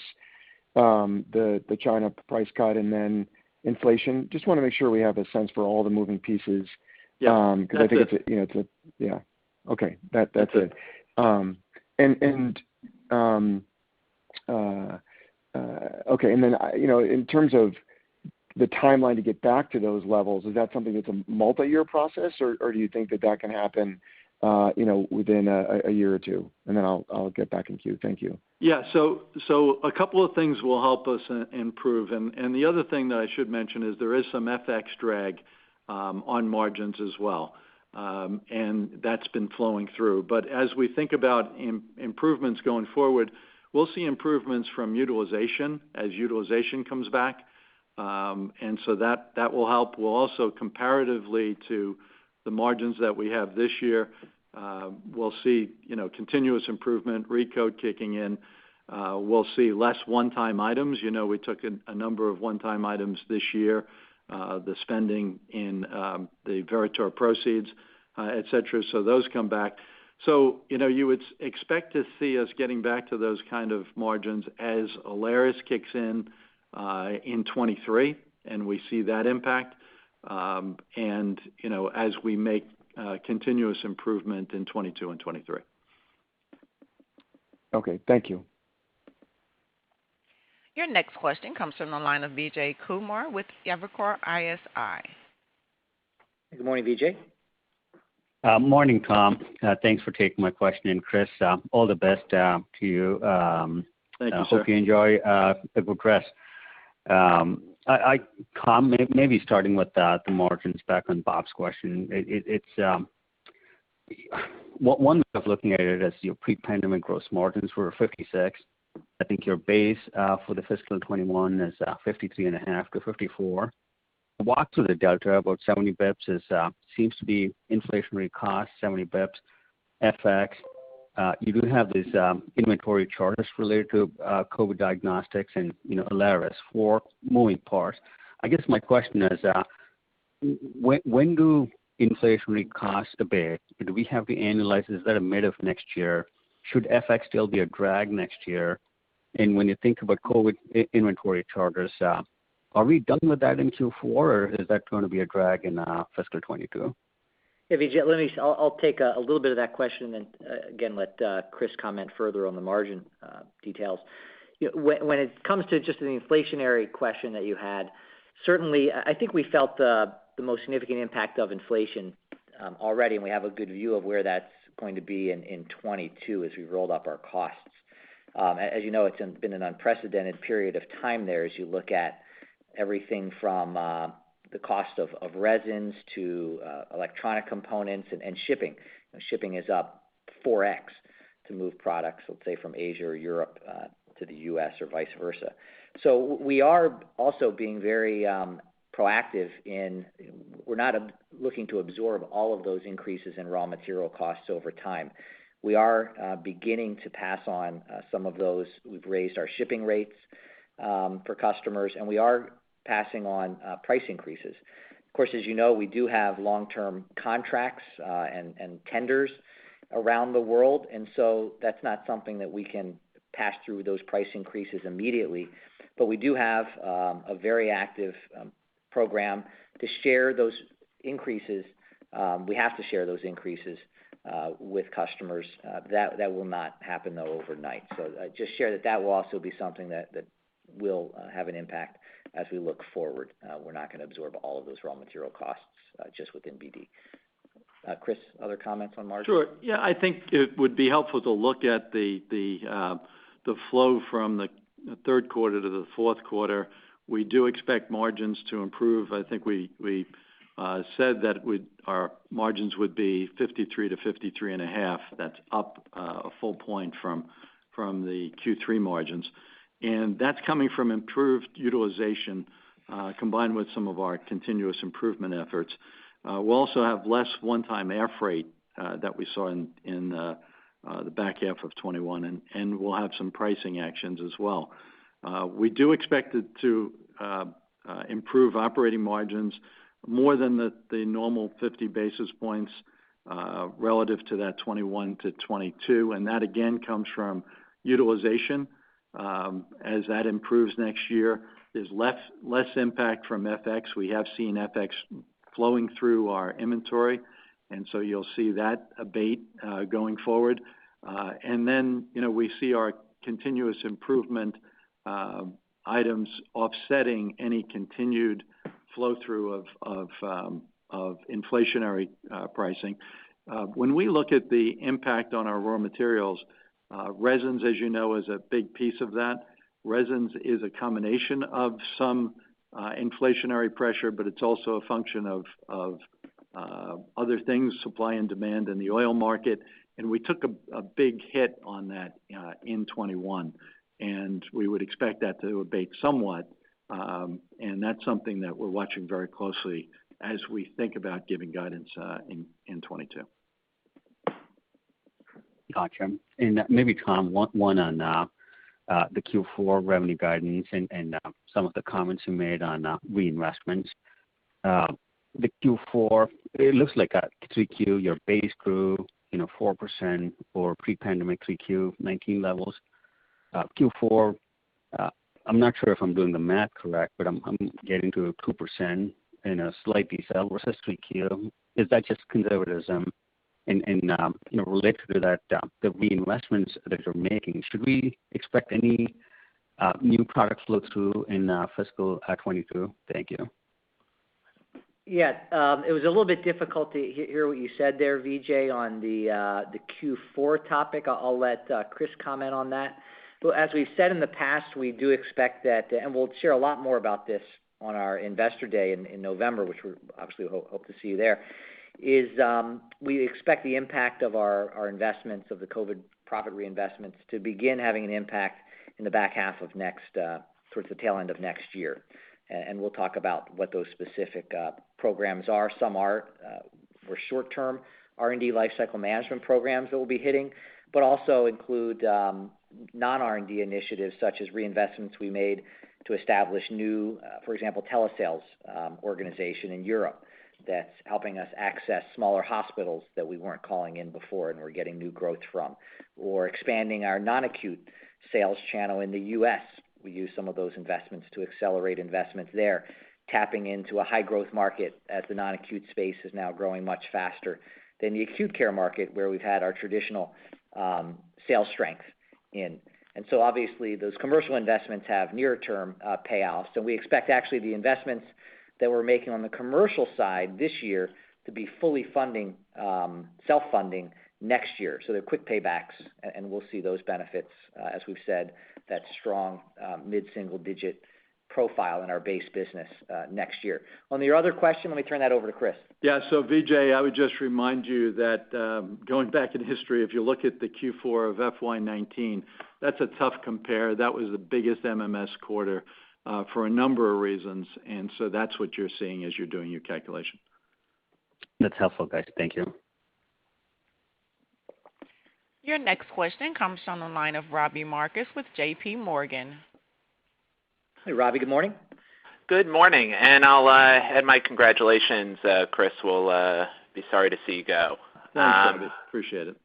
the China price cut, and then inflation? Just want to make sure we have a sense for all the moving pieces. Yeah Yeah. Okay. That's it. Then in terms of the timeline to get back to those levels, is that something that's a multi-year process, or do you think that that can happen within a year or two? Then I'll get back in queue. Thank you. Yeah. A couple of things will help us improve. The other thing that I should mention is there is some FX drag on margins as well, and that's been flowing through. As we think about improvements going forward, we'll see improvements from utilization as utilization comes back. That will help. We'll also, comparatively to the margins that we have this year, we'll see continuous improvement, RECODE kicking in. We'll see less one-time items. We took a number of one-time items this year, the spending in the Veritor proceeds, et cetera. Those come back. You would expect to see us getting back to those kind of margins as Alaris kicks in 2023, and we see that impact, and as we make continuous improvement in 2022 and 2023. Okay. Thank you. Your next question comes from the line of Vijay Kumar with Evercore ISI. Good morning, Vijay. Morning, Tom. Thanks for taking my question. Chris, all the best to you. Thank you, sir. Hope you enjoy it. Well, Chris, Tom, maybe starting with the margins, back on Bob's question. One way of looking at it as your pre-pandemic gross margins were 56%. I think your base for fiscal 2021 is 53.5% to 54%. Walk through the delta. About 70 basis points seems to be inflationary costs, 70 basis points FX. You do have these inventory charges related to COVID diagnostics and Alaris for moving parts. I guess my question is, when do inflationary costs abate? Do we have the analysis that are mid of next year? Should FX still be a drag next year? When you think about COVID inventory charges, are we done with that in Q4, or is that going to be a drag in fiscal 2022? Hey, Vijay. I'll take a little bit of that question and, again, let Chris comment further on the margin details. When it comes to just the inflationary question that you had, certainly, I think we felt the most significant impact of inflation already, and we have a good view of where that's going to be in 2022 as we've rolled up our costs. As you know, it's been an unprecedented period of time there as you look at everything from the cost of resins to electronic components and shipping. Shipping is up 4x to move products, let's say, from Asia or Europe to the U.S. or vice versa. We are also being very proactive in we're not looking to absorb all of those increases in raw material costs over time. We are beginning to pass on some of those. We've raised our shipping rates for customers, and we are passing on price increases. Of course, as you know, we do have long-term contracts and tenders around the world, and so that's not something that we can pass through those price increases immediately. We do have a very active program to share those increases with customers. That will not happen, though, overnight. Just share that will also be something that will have an impact as we look forward. We're not going to absorb all of those raw material costs just within BD. Chris, other comments on margin? Sure. Yeah. I think it would be helpful to look at the flow from the third quarter to the fourth quarter. We do expect margins to improve. I think we said that our margins would be 53%-53.5%. That's up a full point from the Q3 margins, that's coming from improved utilization, combined with some of our continuous improvement efforts. We'll also have less one-time air freight that we saw in the back half of 2021, we'll have some pricing actions as well. We do expect to improve operating margins more than the normal 50 basis points relative to that 2021 to 2022. That, again, comes from utilization. As that improves next year, there's less impact from FX. We have seen FX flowing through our inventory, you'll see that abate going forward. We see our continuous improvement items offsetting any continued flow-through of inflationary pricing. We look at the impact on our raw materials, resins, as you know, is a big piece of that. Resins is a combination of some inflationary pressure, but it's also a function of other things, supply and demand in the oil market, and we took a big hit on that in 2021, and we would expect that to abate somewhat. That's something that we're watching very closely as we think about giving guidance in 2022. Got you. Maybe Tom, one on the Q4 revenue guidance and some of the comments you made on reinvestments. The Q4, it looks like at 3Q, your base grew 4% for pre-pandemic 3Q 2019 levels. Q4, I'm not sure if I'm doing the math correct, but I'm getting to a 2% and a slight deceleration versus 3Q. Is that just conservatism? Related to that, the reinvestments that you're making, should we expect any new product flow-through in fiscal 2022? Thank you. It was a little bit difficult to hear what you said there, Vijay, on the Q4 topic. I'll let Chris comment on that. As we've said in the past, we do expect that, and we'll share a lot more about this on our investor day in November, which we obviously hope to see you there, is we expect the impact of our investments, of the COVID profit reinvestments, to begin having an impact towards the tail end of next year. We'll talk about what those specific programs are. Some are for short-term R&D life cycle management programs that we'll be hitting, but also include non-R&D initiatives, such as reinvestments we made to establish new, for example, telesales organization in Europe that's helping us access smaller hospitals that we weren't calling in before and we're getting new growth from, or expanding our non-acute sales channel in the U.S. We use some of those investments to accelerate investments there, tapping into a high-growth market as the non-acute space is now growing much faster than the acute care market, where we've had our traditional sales strength in. And so obviously, those commercial investments have near-term payoffs, and we expect actually the investments that we're making on the commercial side this year to be fully self-funding next year. They're quick paybacks, and we'll see those benefits, as we've said, that strong mid-single-digit profile in our base business next year. On your other question, let me turn that over to Chris. Yeah. Vijay, I would just remind you that going back in history, if you look at the Q4 of FY 2019, that's a tough compare. That was the biggest MMS quarter for a number of reasons, that's what you're seeing as you're doing your calculation. That's helpful, guys. Thank you. Your next question comes from the line of Robbie Marcus with J.P. Morgan. Hey, Robbie, good morning. Good morning, and I'll add my congratulations, Chris. We'll be sorry to see you go. No, I'm sorry. Appreciate it.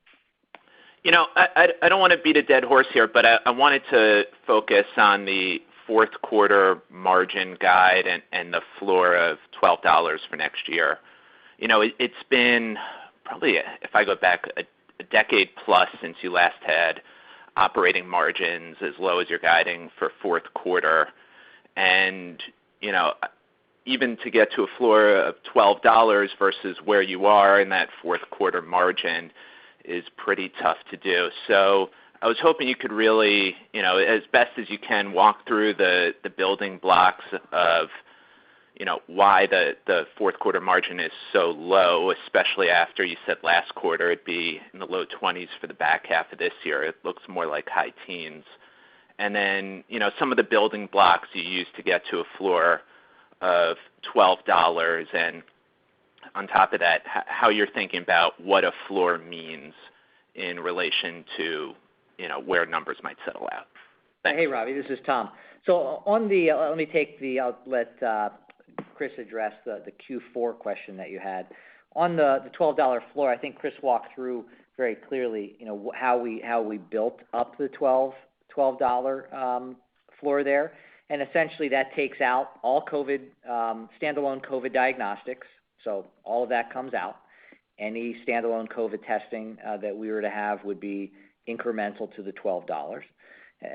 I don't want to beat a dead horse here. I wanted to focus on the fourth quarter margin guide and the floor of $12 for next year. It's been probably, if I go back, a decade plus since you last had operating margins as low as you're guiding for fourth quarter. Even to get to a floor of $12 versus where you are in that fourth quarter margin is pretty tough to do. I was hoping you could really, as best as you can, walk through the building blocks of why the fourth quarter margin is so low, especially after you said last quarter it'd be in the low 20s for the back half of this year. It looks more like high teens. Some of the building blocks you used to get to a floor of $12 and on top of that, how you're thinking about what a floor means in relation to you know where numbers might settle out. Robbie, this is Tom Polen. I'll let Christopher DelOrefice address the Q4 question that you had. On the $12 floor, I think Christopher DelOrefice walked through very clearly how we built up the $12 floor there, and essentially that takes out all standalone COVID diagnostics. All of that comes out. Any standalone COVID testing that we were to have would be incremental to the $12.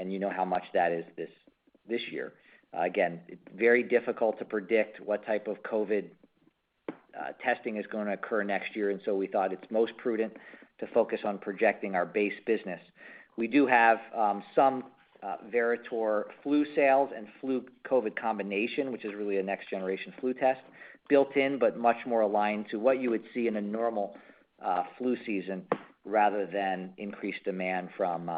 You know how much that is this year. Again, very difficult to predict what type of COVID testing is going to occur next year, and so we thought it's most prudent to focus on projecting our base business. We do have some Veritor flu sales and flu COVID combination, which is really a next generation flu test built in, but much more aligned to what you would see in a normal flu season rather than increased demand from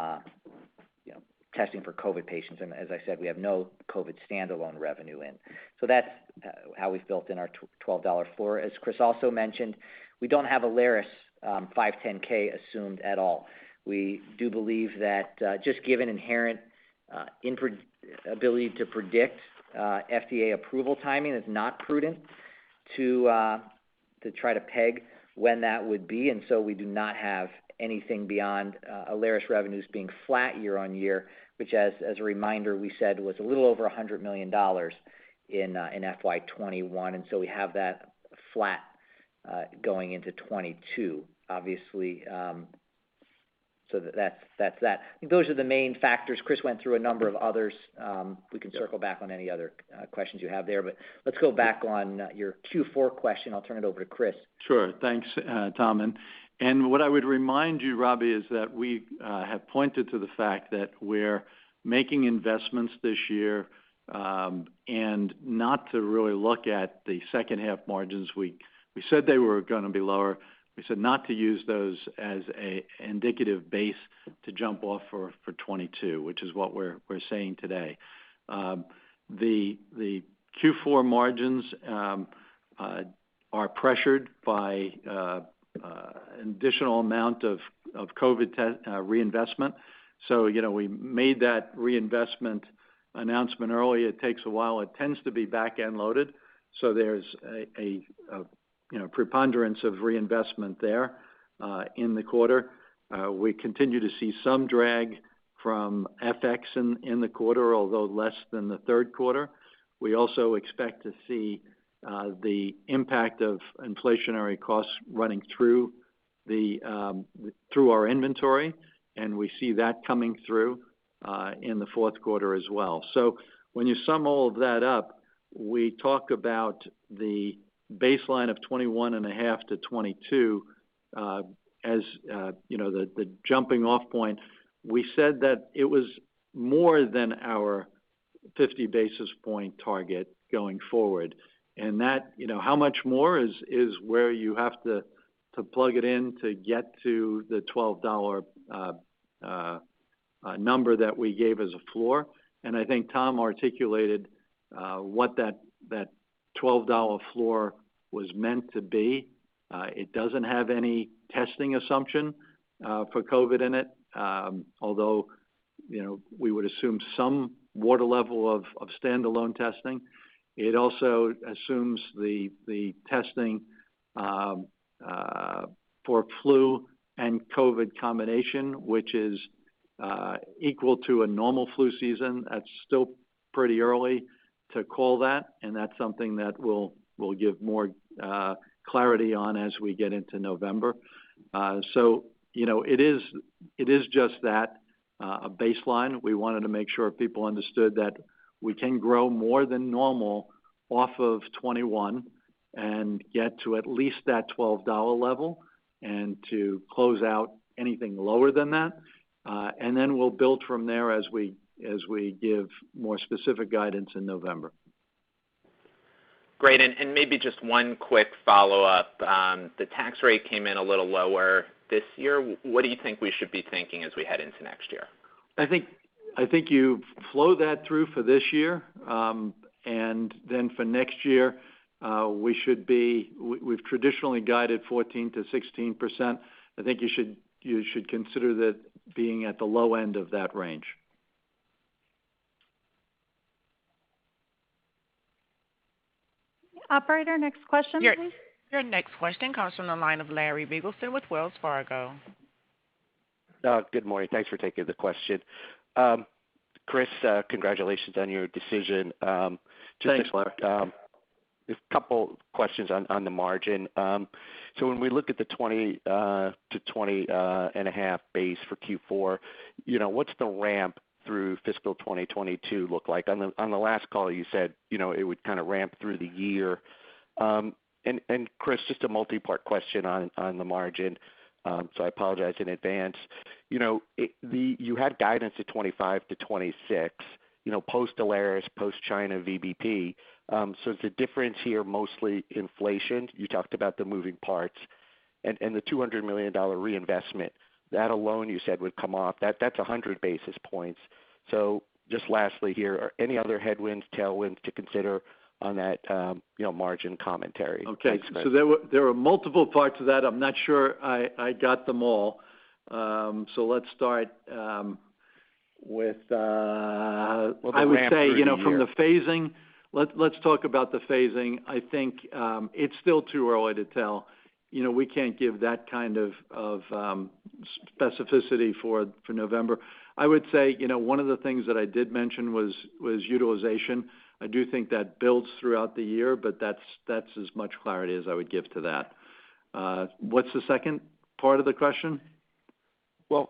testing for COVID patients. As I said, we have no COVID standalone revenue in. That's how we've built in our $12 floor. As Chris also mentioned, we don't have Alaris 510 assumed at all. We do believe that, just given inherent inability to predict FDA approval timing, it's not prudent to try to peg when that would be, and so we do not have anything beyond Alaris revenues being flat year-on-year, which as a reminder, we said was a little over $100 million in FY 2021, and so we have that flat going into FY 2022. Obviously, that's that. Those are the main factors. Chris went through a number of others. We can circle back on any other questions you have there. Let's go back on your Q4 question. I'll turn it over to Chris. Sure. Thanks, Tom. What I would remind you, Robbie, is that we have pointed to the fact that we're making investments this year, and not to really look at the second half margins. We said they were going to be lower. We said not to use those as an indicative base to jump off for 2022, which is what we're saying today. The Q4 margins are pressured by additional amount of COVID reinvestment. We made that reinvestment announcement early. It takes a while. It tends to be back-end loaded. There's a preponderance of reinvestment there in the quarter. We continue to see some drag from FX in the quarter, although less than the third quarter. We also expect to see the impact of inflationary costs running through our inventory, and we see that coming through in the fourth quarter as well. When you sum all of that up, we talk about the baseline of 21.5 to 22 as the jumping off point. We said that it was more than our 50 basis point target going forward, and how much more is where you have to plug it in to get to the $12 number that we gave as a floor. I think Tom articulated what that $12 floor was meant to be. It doesn't have any testing assumption for COVID in it, although we would assume some water level of standalone testing. It also assumes the testing for flu and COVID combination, which is equal to a normal flu season. That's still pretty early to call that, and that's something that we'll give more clarity on as we get into November. It is just that, a baseline. We wanted to make sure people understood that we can grow more than normal off of 2021 and get to at least that $12 level and to close out anything lower than that. Then we'll build from there as we give more specific guidance in November. Great. Maybe just one quick follow-up. The tax rate came in a little lower this year. What do you think we should be thinking as we head into next year? I think you flow that through for this year, then for next year, we've traditionally guided 14%-16%. I think you should consider that being at the low end of that range. Operator, next question please. Your next question comes from the line of Larry Biegelsen with Wells Fargo. Good morning. Thanks for taking the question. Chris, congratulations on your decision. Thanks, Larry. Just a couple questions on the margin. When we look at the 20%-20.5% base for Q4, what's the ramp through Fiscal 2022 look like? On the last call, you said it would kind of ramp through the year. Chris, just a multi-part question on the margin, I apologize in advance. You had guidance at 25%-26%, post BD Alaris, post China VBP. Is the difference here mostly inflation? You talked about the moving parts and the $200 million reinvestment. That alone, you said, would come off. That's 100 basis points. Just lastly here, are any other headwinds, tailwinds to consider on that margin commentary? Okay, so there were multiple parts of that. I'm not sure I got them all. Let's start. With the ramp through the year. I would say, from the phasing, let's talk about the phasing. I think it's still too early to tell. We can't give that kind of specificity for November. I would say, one of the things that I did mention was utilization. I do think that builds throughout the year, but that's as much clarity as I would give to that. What's the second part of the question? Well,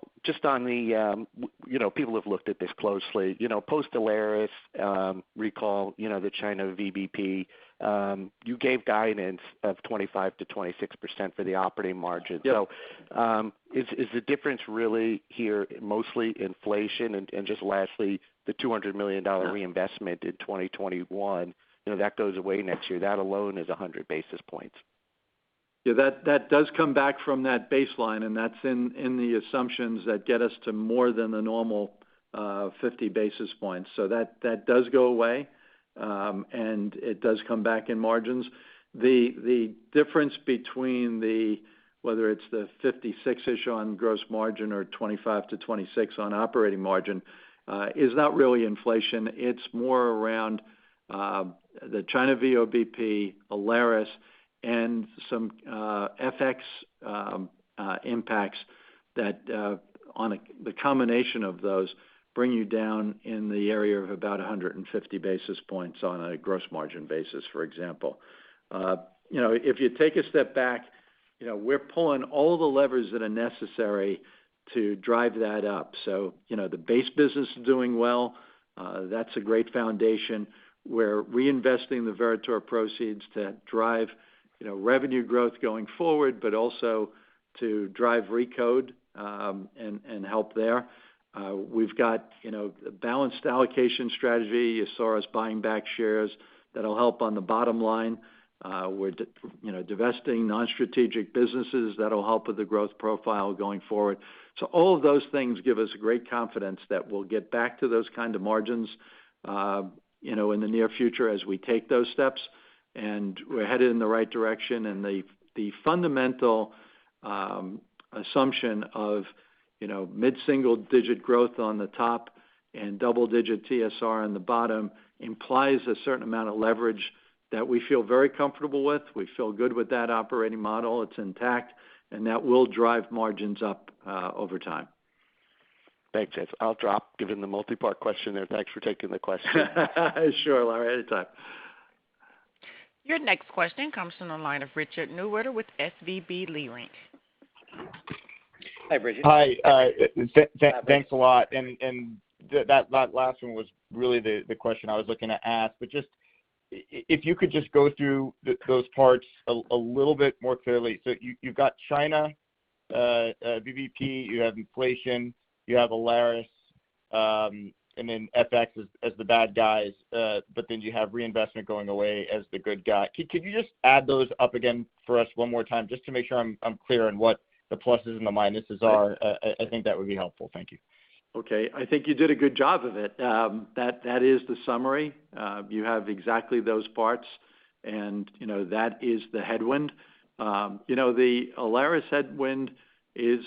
People have looked at this closely. Post Alaris recall, the China VBP, you gave guidance of 25%-26% for the operating margin. Yeah. Is the difference really here mostly inflation? Just lastly, the $200 million reinvestment in 2021, that goes away next year. That alone is 100 basis points. Yeah, that does come back from that baseline, and that's in the assumptions that get us to more than the normal 50 basis points. That does go away, and it does come back in margins. The difference between the, whether it's the 56-ish on gross margin or 25-26 on operating margin, is not really inflation. It's more around the China VBP, Alaris, and some FX impacts that on the combination of those, bring you down in the area of about 150 basis points on a gross margin basis, for example. If you take a step back, we're pulling all the levers that are necessary to drive that up. The base business is doing well. That's a great foundation. We're reinvesting the Veritor proceeds to drive revenue growth going forward, but also to drive RECODE, and help there. We've got a balanced allocation strategy. You saw us buying back shares. That'll help on the bottom line. We're divesting non-strategic businesses that'll help with the growth profile going forward. All of those things give us great confidence that we'll get back to those kind of margins in the near future as we take those steps. We're headed in the right direction and the fundamental assumption of mid-single-digit growth on the top and double-digit TSR on the bottom implies a certain amount of leverage that we feel very comfortable with. We feel good with that operating model. It's intact, and that will drive margins up over time. Thanks, Jeff. I'll drop, given the multipart question there. Thanks for taking the question. Sure, Larry. Anytime. Your next question comes from the line of Richard Newitter with SVB Leerink. Hi, Richard. Hi. Thanks a lot. That last one was really the question I was looking to ask, but if you could just go through those parts a little bit more clearly. You've got China VBP, you have inflation, you have Alaris, and then FX as the bad guys. You have reinvestment going away as the good guy. Could you just add those up again for us one more time just to make sure I'm clear on what the pluses and the minuses are? I think that would be helpful. Thank you. Okay. I think you did a good job of it. That is the summary. You have exactly those parts, and that is the headwind. The Alaris headwind is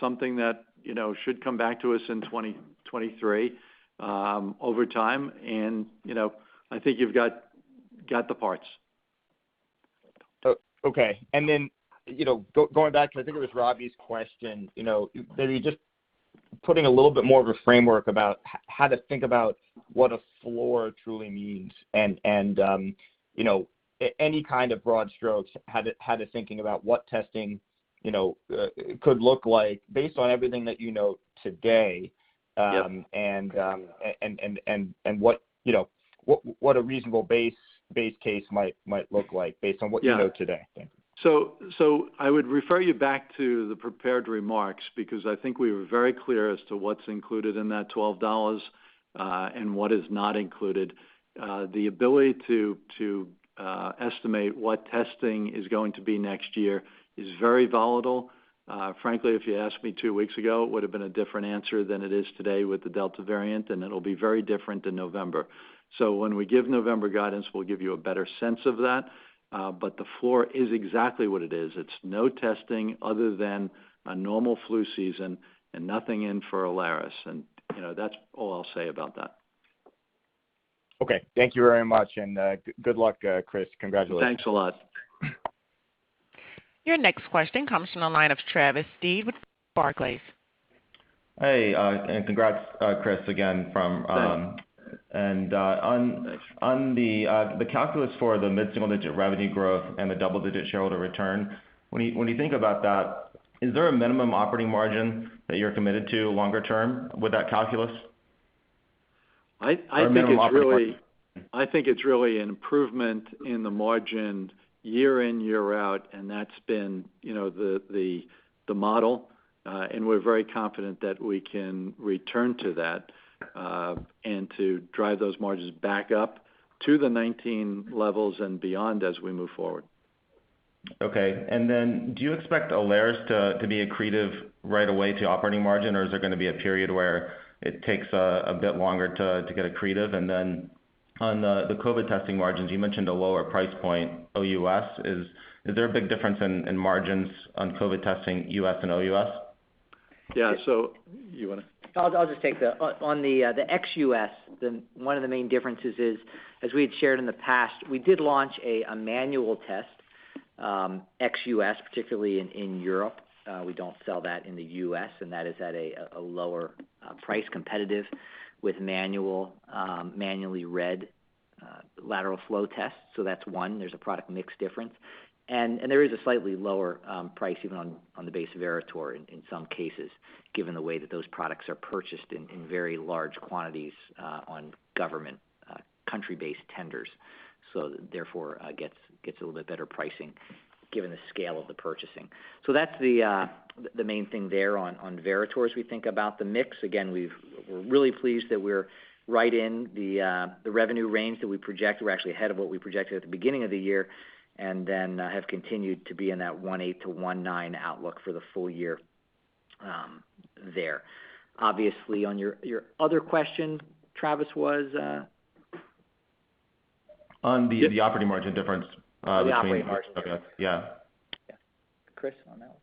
something that should come back to us in 2023, over time, and I think you've got the parts. Okay. Going back to, I think it was Robbie's question, maybe just putting a little bit more of a framework about how to think about what a floor truly means and any kind of broad strokes, how to thinking about what testing could look like based on everything that you know today. What a reasonable base case might look like based on what you know today. Thanks. I would refer you back to the prepared remarks because I think we were very clear as to what's included in that $12 and what is not included. The ability to estimate what testing is going to be next year is very volatile. Frankly, if you asked me two weeks ago, it would've been a different answer than it is today with the Delta variant, and it'll be very different in November. When we give November guidance, we'll give you a better sense of that. The floor is exactly what it is. It's no testing other than a normal flu season and nothing in for Alaris. That's all I'll say about that. Okay. Thank you very much, and good luck, Chris. Congratulations. Thanks a lot. Your next question comes from the line of Travis Steed with Barclays. Hey, congrats, Chris, again. Thanks On the calculus for the mid-single-digit revenue growth and the double-digit shareholder return, when you think about that, is there a minimum operating margin that you're committed to longer term with that calculus? I think it's. minimum operating margin I think it's really an improvement in the margin year in, year out, and that's been the model. We're very confident that we can return to that, and to drive those margins back up to the 2019 levels and beyond as we move forward. Okay. Do you expect Alaris to be accretive right away to operating margin or is there going to be a period where it takes a bit longer to get accretive? On the COVID testing margins, you mentioned a lower price point, OUS. Is there a big difference in margins on COVID testing, U.S. and OUS? Yeah. I'll just take that. On the ex-U.S., one of the main differences is, as we had shared in the past, we did launch a manual test, ex-U.S., particularly in Europe. We don't sell that in the U.S., and that is at a lower price competitive with manually read lateral flow tests. That's one, there's a product mix difference. There is a slightly lower price even on the base of Veritor in some cases, given the way that those products are purchased in very large quantities on government country-based tenders. Therefore, gets a little bit better pricing given the scale of the purchasing. That's the main thing there on Veritor, as we think about the mix. Again, we're really pleased that we're right in the revenue range that we projected. We're actually ahead of what we projected at the beginning of the year, and then have continued to be in that 18-19 outlook for the full-year there. Obviously, on your other question, Travis. On the operating margin difference between. The operating margin. Okay. Yeah. Yeah. Chris, on that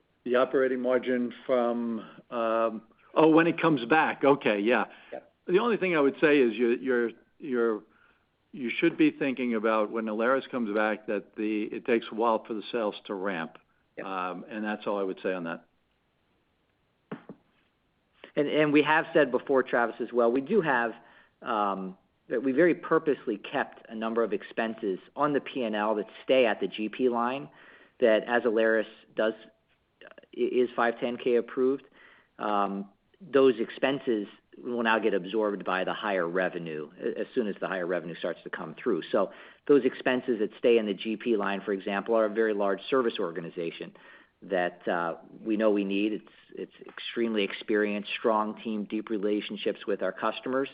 one? Oh, when it comes back, okay. Yeah. Yeah. The only thing I would say is you should be thinking about when Alaris comes back, that it takes a while for the sales to ramp. Yeah. That's all I would say on that. We have said before, Travis, as well, we very purposely kept a number of expenses on the P&L that stay at the GP line, that as Alaris is 510(k) approved, those expenses will now get absorbed by the higher revenue as soon as the higher revenue starts to come through. Those expenses that stay in the GP line, for example, are a very large service organization that we know we need. It's extremely experienced, strong team, deep relationships with our customers,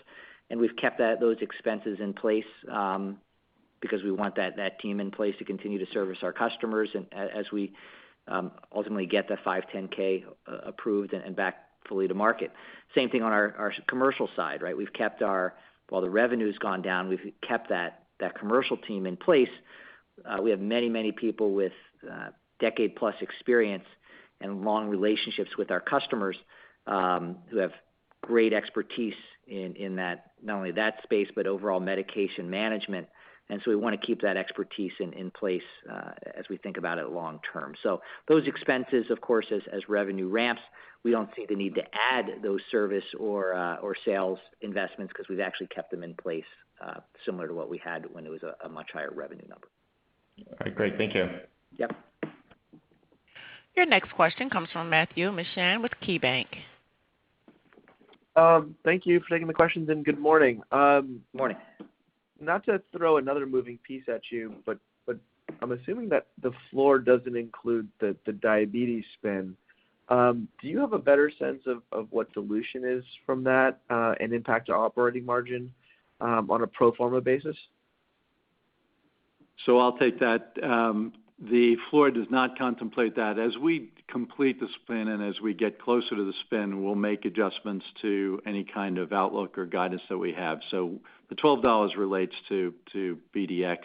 and we've kept those expenses in place because we want that team in place to continue to service our customers and as we ultimately get that 510(k) approved and back fully to market. Same thing on our commercial side, right? While the revenue's gone down, we've kept that commercial team in place. We have many people with decade-plus experience and long relationships with our customers, who have great expertise in not only that space but overall medication management. We want to keep that expertise in place as we think about it long term. Those expenses, of course, as revenue ramps, we don't see the need to add those service or sales investments because we've actually kept them in place, similar to what we had when it was a much higher revenue number. All right, great. Thank you. Yep. Your next question comes from Matthew Mishan with KeyBank. Thank you for taking the questions and good morning. Morning. Not to throw another moving piece at you, I'm assuming that the floor doesn't include the diabetes spin. Do you have a better sense of what dilution is from that and impact to operating margin on a pro forma basis? I'll take that. The floor does not contemplate that. As we complete the spin and as we get closer to the spin, we'll make adjustments to any kind of outlook or guidance that we have. The $12 relates to BDX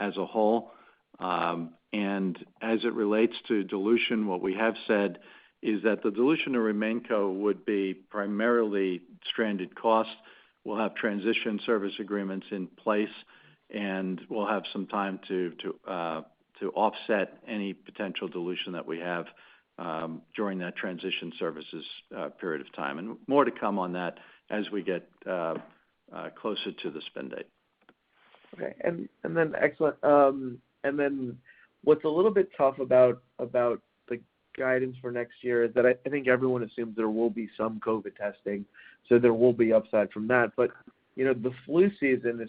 as a whole. As it relates to dilution, what we have said is that the dilution to RemainCo would be primarily stranded costs. We'll have transition service agreements in place, and we'll have some time to offset any potential dilution that we have during that transition services period of time. More to come on that as we get closer to the spin date. Okay. What's a little bit tough about the guidance for next year is that I think everyone assumes there will be some COVID testing, so there will be upside from that. The flu season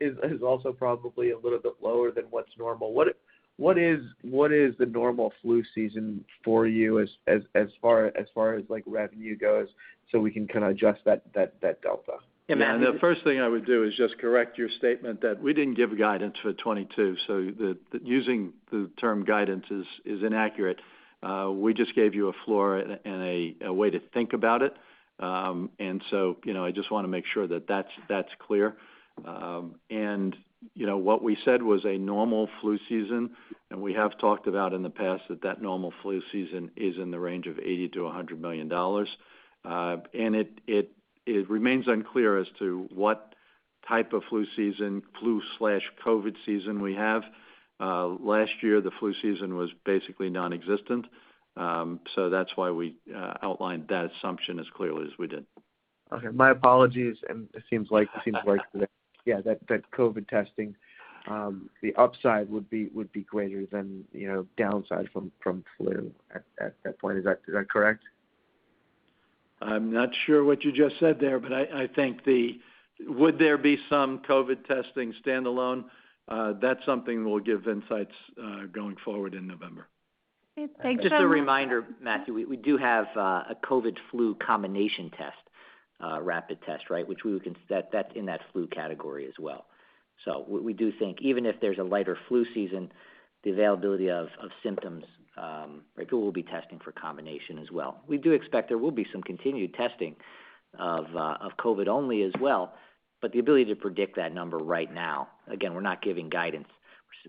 is also probably a little bit lower than what's normal. What is the normal flu season for you as far as revenue goes, so we can kind of adjust that delta? Yeah. The first thing I would do is just correct your statement that we didn't give guidance for 2022, so using the term guidance is inaccurate. We just gave you a floor and a way to think about it. I just want to make sure that that's clear. What we said was a normal flu season, and we have talked about in the past that that normal flu season is in the range of $80 million to $100 million. It remains unclear as to what type of flu/COVID season we have. Last year, the flu season was basically nonexistent, so that's why we outlined that assumption as clearly as we did. Okay. My apologies. It seems like, yeah, that COVID testing, the upside would be greater than downside from flu at that point. Is that correct? I'm not sure what you just said there, but I think would there be some COVID testing standalone? That's something we'll give insights going forward in November. Okay. Thanks, Matthew. Just a reminder, Matthew, we do have a COVID flu combination test, rapid test, right? That's in that flu category as well. We do think even if there's a lighter flu season, the availability of symptoms, people will be testing for combination as well. We do expect there will be some continued testing of COVID only as well, but the ability to predict that number right now, again, we're not giving guidance.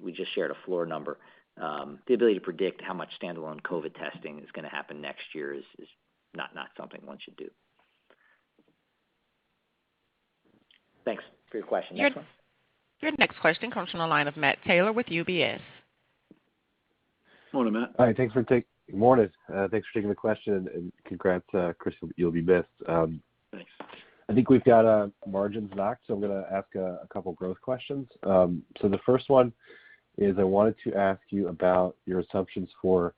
We just shared a floor number. The ability to predict how much standalone COVID testing is going to happen next year is not something one should do. Thanks for your question. Next one. Your next question comes from the line of Matt Taylor with UBS. Morning, Matt. Hi. Morning. Thanks for taking the question and congrats, Chris. You'll be missed. Thanks. I think we've got margins locked, so I'm going to ask a couple growth questions. The first one is, I wanted to ask you about your assumptions for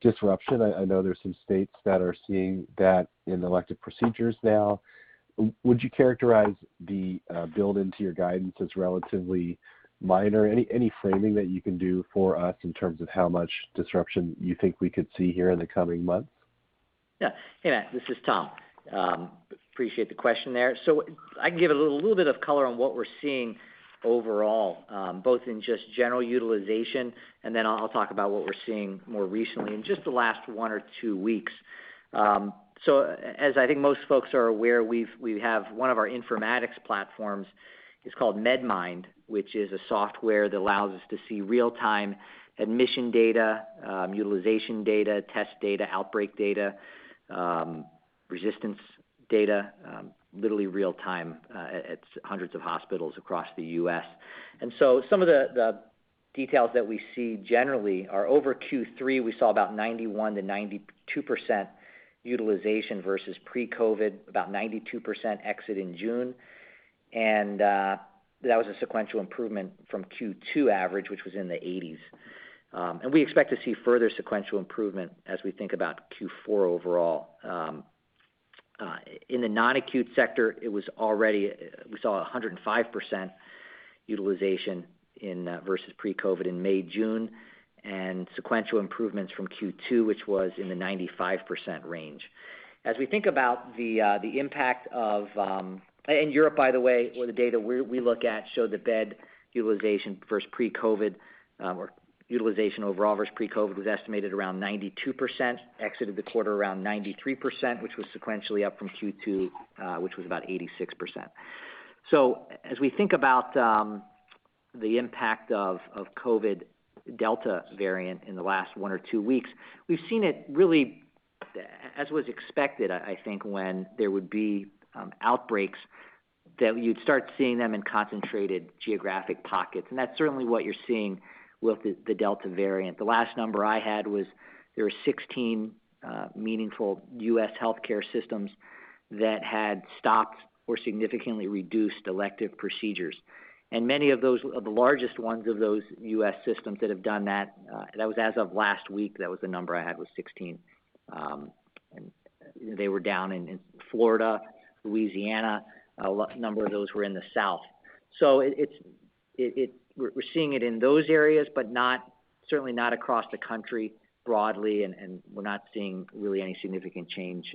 disruption. I know there's some states that are seeing that in elective procedures now. Would you characterize the build into your guidance as relatively minor? Any framing that you can do for us in terms of how much disruption you think we could see here in the coming months? Hey, Matt, this is Tom. Appreciate the question there. I can give a little bit of color on what we're seeing overall, both in just general utilization, and then I'll talk about what we're seeing more recently in just the last one or two weeks. As I think most folks are aware, we have one of our informatics platforms is called MedMined, which is a software that allows us to see real-time admission data, utilization data, test data, outbreak data, resistance data, literally real time at hundreds of hospitals across the U.S. Some of the details that we see generally are over Q3, we saw about 91%-92% utilization versus pre-COVID, about 92% exit in June. That was a sequential improvement from Q2 average, which was in the 80s. We expect to see further sequential improvement as we think about Q4 overall. In the non-acute sector, we saw 105% utilization versus pre-COVID in May, June, and sequential improvements from Q2, which was in the 95% range. In Europe, by the way, the data we look at showed that bed utilization versus pre-COVID, or utilization overall versus pre-COVID, was estimated around 92%, exited the quarter around 93%, which was sequentially up from Q2, which was about 86%. As we think about the impact of COVID Delta variant in the last one or two weeks, we've seen it really as was expected, I think when there would be outbreaks, that you'd start seeing them in concentrated geographic pockets, and that's certainly what you're seeing with the Delta variant. The last number I had was there were 16 meaningful U.S. healthcare systems that had stopped or significantly reduced elective procedures. Many of the largest ones of those U.S. systems that have done that was as of last week, that was the number I had was 16. They were down in Florida, Louisiana. A number of those were in the South. We're seeing it in those areas, but certainly not across the country broadly, and we're not seeing really any significant change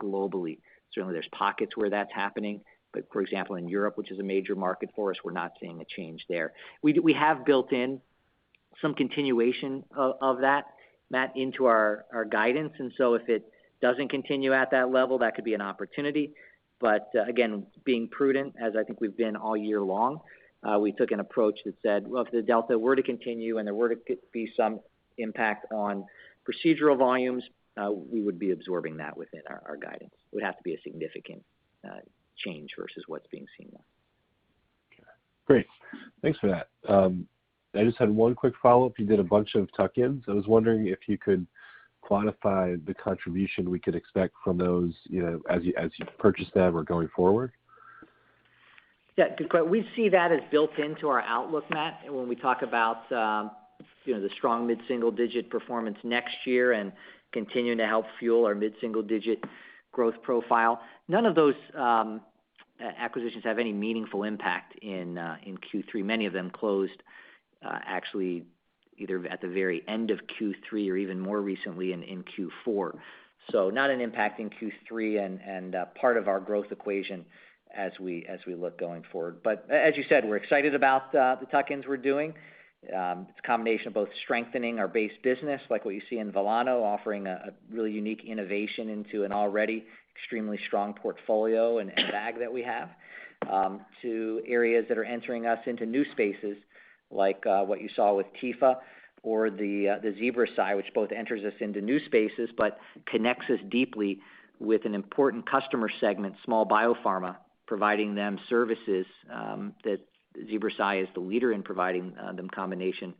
globally. Certainly, there's pockets where that's happening, but for example, in Europe, which is a major market for us, we're not seeing a change there. We have built in some continuation of that, Matt, into our guidance, and so if it doesn't continue at that level, that could be an opportunity. Again, being prudent, as I think we've been all year long, we took an approach that said, Well, if the Delta were to continue and there were to be some impact on procedural volumes, we would be absorbing that within our guidance. It would have to be a significant change versus what's being seen now. Okay. Great. Thanks for that. I just had one quick follow-up. You did a bunch of tuck-ins. I was wondering if you could quantify the contribution we could expect from those as you purchase them or going forward? Yeah. We see that as built into our outlook, Matt, when we talk about the strong mid-single digit performance next year and continuing to help fuel our mid-single digit growth profile. None of those acquisitions have any meaningful impact in Q3. Many of them closed actually either at the very end of Q3 or even more recently in Q4. Not an impact in Q3 and part of our growth equation as we look going forward. As you said, we're excited about the tuck-ins we're doing. It's a combination of both strengthening our base business, like what you see in Velano, offering a really unique innovation into an already extremely strong portfolio and bag that we have, to areas that are entering us into new spaces, like what you saw with Tepha or the ZebraSci, which both enters us into new spaces, but connects us deeply with an important customer segment, small biopharma, providing them services that ZebraSci is the leader in providing them combination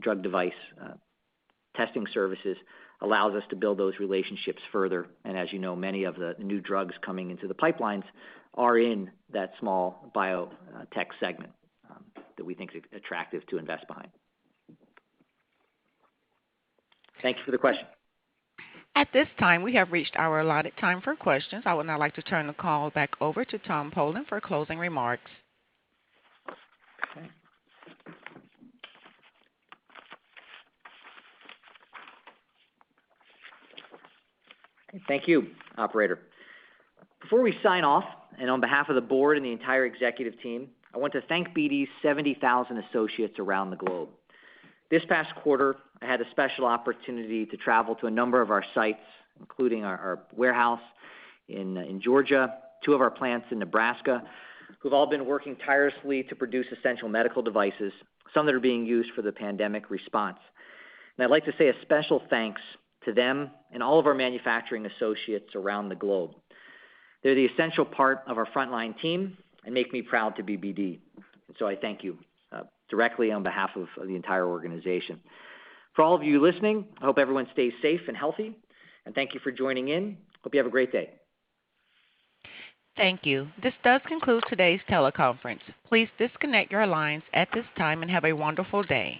drug device testing services, allows us to build those relationships further. As you know, many of the new drugs coming into the pipelines are in that small biotech segment that we think is attractive to invest behind. Thank you for the question. At this time, we have reached our allotted time for questions. I would now like to turn the call back over to Tom Polen for closing remarks. Okay. Thank you, operator. Before we sign off, on behalf of the board and the entire executive team, I want to thank BD's 70,000 associates around the globe. This past quarter, I had a special opportunity to travel to a number of our sites, including our warehouse in Georgia, two of our plants in Nebraska, who've all been working tirelessly to produce essential medical devices, some that are being used for the pandemic response. I'd like to say a special thanks to them and all of our manufacturing associates around the globe. They're the essential part of our frontline team and make me proud to be BD. I thank you directly on behalf of the entire organization. For all of you listening, I hope everyone stays safe and healthy, and thank you for joining in. Hope you have a great day. Thank you. This does conclude today's teleconference. Please disconnect your lines at this time and have a wonderful day.